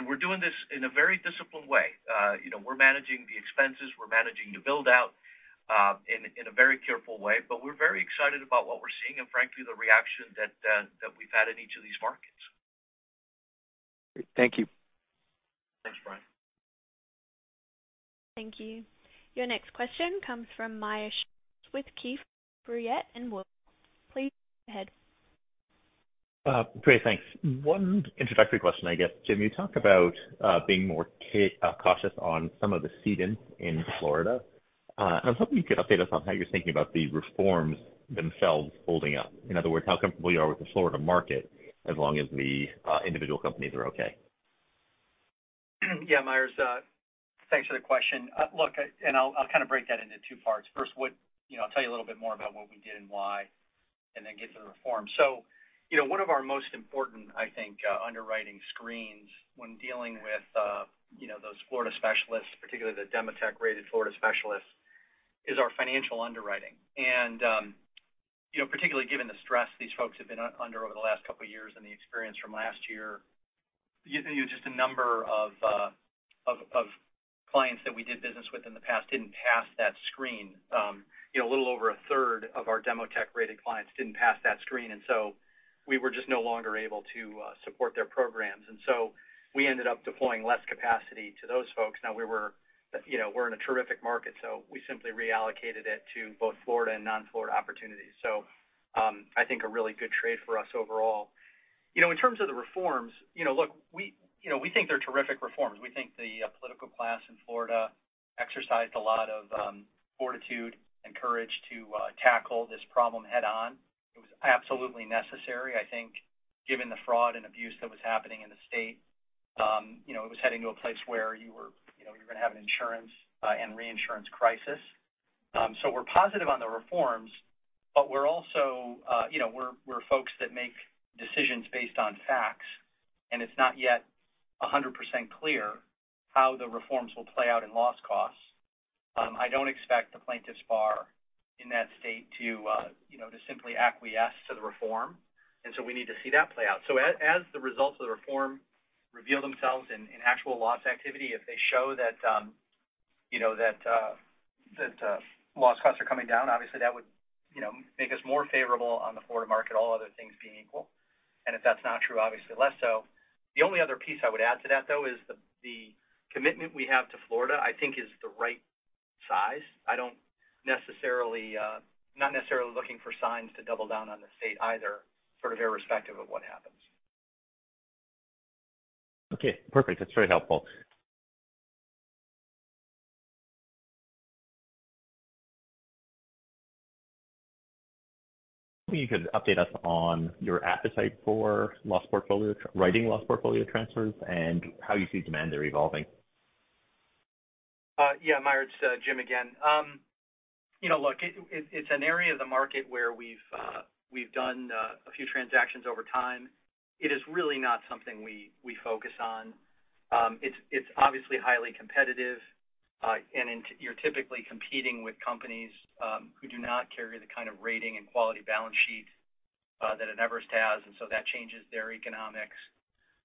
We're doing this in a very disciplined way. you know, we're managing the expenses, we're managing the build-out, in, in a very careful way, but we're very excited about what we're seeing and frankly, the reaction that we've had in each of these markets. Thank you. Thanks, Brian. Thank you. Your next question comes from Meyer Shields with Keefe, Bruyette & Woods. Please go ahead. Great, thanks. One introductory question, I guess, Jim, you talked about being more cautious on some of the cedants in Florida. I was hoping you could update us on how you're thinking about the reforms themselves holding up. In other words, how comfortable you are with the Florida market as long as the individual companies are okay? Myers, thanks for the question. Look, and I'll kind of break that into two parts. First, what, you know, I'll tell you a little bit more about what we did and why, and then get to the reform. You know, one of our most important, I think, underwriting screens when dealing with, you know, those Florida specialists, particularly the Demotech-rated Florida specialists, is our financial underwriting. You know, particularly given the stress these folks have been under over the last couple of years and the experience from last year, you know, just a number of clients that we did business with in the past didn't pass that screen. You know, a little over a third of our Demotech-rated clients didn't pass that screen, and so we were just no longer able to support their programs. We ended up deploying less capacity to those folks. Now, we were, you know, we're in a terrific market, so we simply reallocated it to both Florida and non-Florida opportunities. I think a really good trade for us overall. You know, in terms of the reforms, you know, look, we, you know, we think they're terrific reforms. We think the political class in Florida exercised a lot of fortitude and courage to tackle this problem head on. It was absolutely necessary, I think, given the fraud and abuse that was happening in the state. you know, it was heading to a place where you were, you know, you're gonna have an insurance and reinsurance crisis. We're positive on the reforms, but we're also, you know, we're folks that make decisions based on facts, and it's not yet 100% clear how the reforms will play out in loss costs. I don't expect the plaintiffs bar in that state to, you know, to simply acquiesce to the reform, we need to see that play out. As the results of the reform reveal themselves in actual loss activity, if they show that, you know, that loss costs are coming down, obviously that would, you know, make us more favorable on the Florida market, all other things being equal. If that's not true, obviously less so. The only other piece I would add to that, though, is the commitment we have to Florida, I think, is the right size. I don't necessarily not necessarily looking for signs to double down on the state either, sort of irrespective of what happens. Okay, perfect. That's very helpful. Maybe you could update us on your appetite for loss portfolio, writing loss portfolio transfers and how you see demands are evolving? Yeah, Myers, Jim again. You know, look, it, it's an area of the market where we've done a few transactions over time. It is really not something we focus on. It's, it's obviously highly competitive, and you're typically competing with companies who do not carry the kind of rating and quality balance sheet that an Everest has, and so that changes their economics.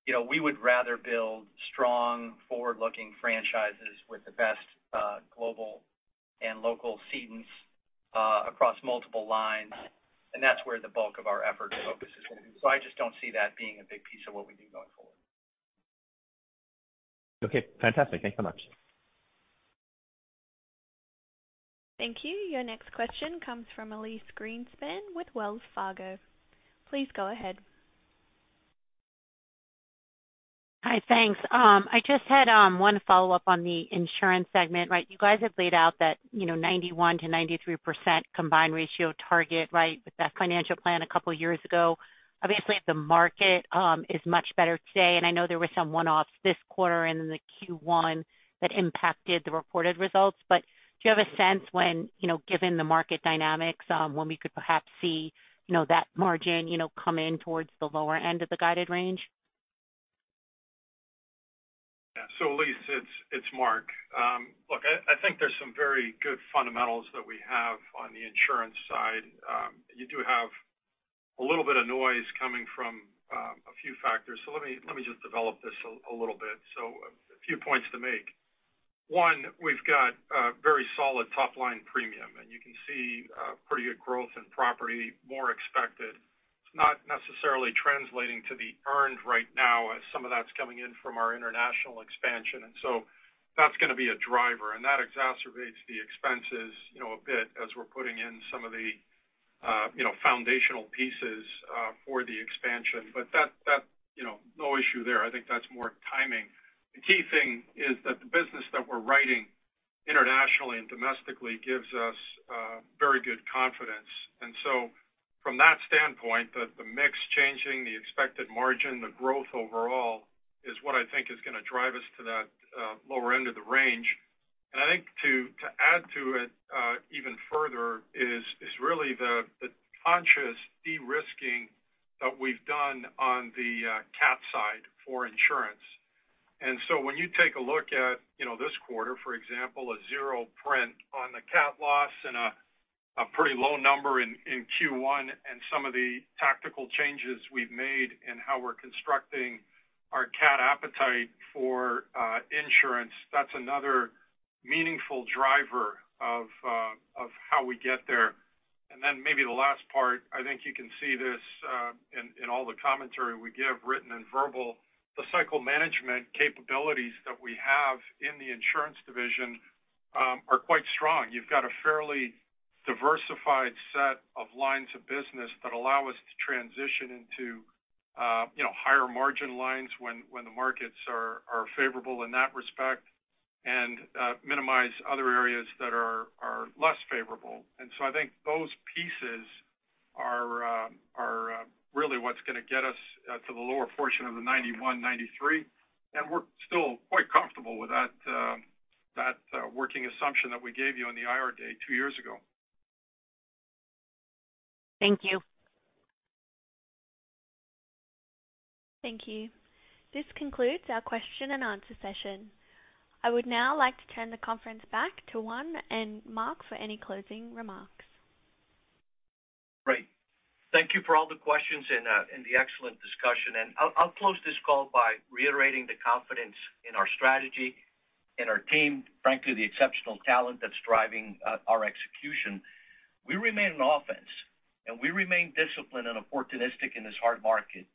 You know, we would rather build strong, forward-looking franchises with the best global and local cedants across multiple lines, and that's where the bulk of our effort and focus is going to be. I just don't see that being a big piece of what we do going forward. Okay, fantastic. Thank you so much. Thank you. Your next question comes from Elyse Greenspan with Wells Fargo. Please go ahead. Hi, thanks. I just had 1 follow-up on the insurance segment, right? You guys have laid out that, you know, 91%-93% combined ratio target, right, with that financial plan a couple years ago. Obviously, the market is much better today, and I know there were some 1-offs this quarter and in the Q1 that impacted the reported results. Do you have a sense when, you know, given the market dynamics, when we could perhaps see, you know, that margin, you know, come in towards the lower end of the guided range? Yeah. Elyse, it's Mark. Look, I think there's some very good fundamentals that we have on the insurance side. You do have a little bit of noise coming from a few factors. Let me just develop this a little bit. A few points to make. One, we've got a very solid top-line premium, and you can see pretty good growth in property, more expected. It's not necessarily translating to the earned right now, as some of that's coming in from our international expansion. That's gonna be a driver, and that exacerbates the expenses, you know, a bit as we're putting in some of the, you know, foundational pieces for the expansion. That, you know, no issue there. I think that's more timing. The key thing is that the business that we're writing internationally and domestically gives us very good confidence. From that standpoint, the mix changing, the expected margin, the growth overall, is what I think is gonna drive us to that lower end of the range. I think to add to it even further is really the conscious de-risking that we've done on the CAT side for insurance. When you take a look at, you know, this quarter, for example, a zero print on the CAT loss and a pretty low number in Q1, and some of the tactical changes we've made in how we're constructing our CAT appetite for insurance, that's another meaningful driver of how we get there. Then maybe the last part, I think you can see this in, in all the commentary we give, written and verbal. The cycle management capabilities that we have in the insurance division are quite strong. You've got a fairly diversified set of lines of business that allow us to transition into, you know, higher margin lines when the markets are favorable in that respect, and minimize other areas that are less favorable. So I think those pieces are really what's gonna get us to the lower portion of the 91, 93. We're still quite comfortable with that working assumption that we gave you on the Investor Day two years ago. Thank you. Thank you. This concludes our question and answer session. I would now like to turn the conference back to Juan and Mark for any closing remarks. Great. Thank you for all the questions and the excellent discussion. I'll close this call by reiterating the confidence in our strategy and our team, frankly, the exceptional talent that's driving our execution. We remain on offense, and we remain disciplined and opportunistic in this hard market.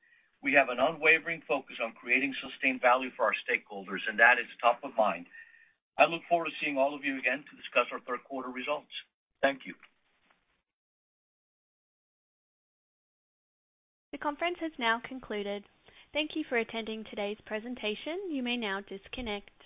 We have an unwavering focus on creating sustained value for our stakeholders, and that is top of mind. I look forward to seeing all of you again to discuss our Q3 results. Thank you. The conference has now concluded. Thank you for attending today's presentation. You may now disconnect.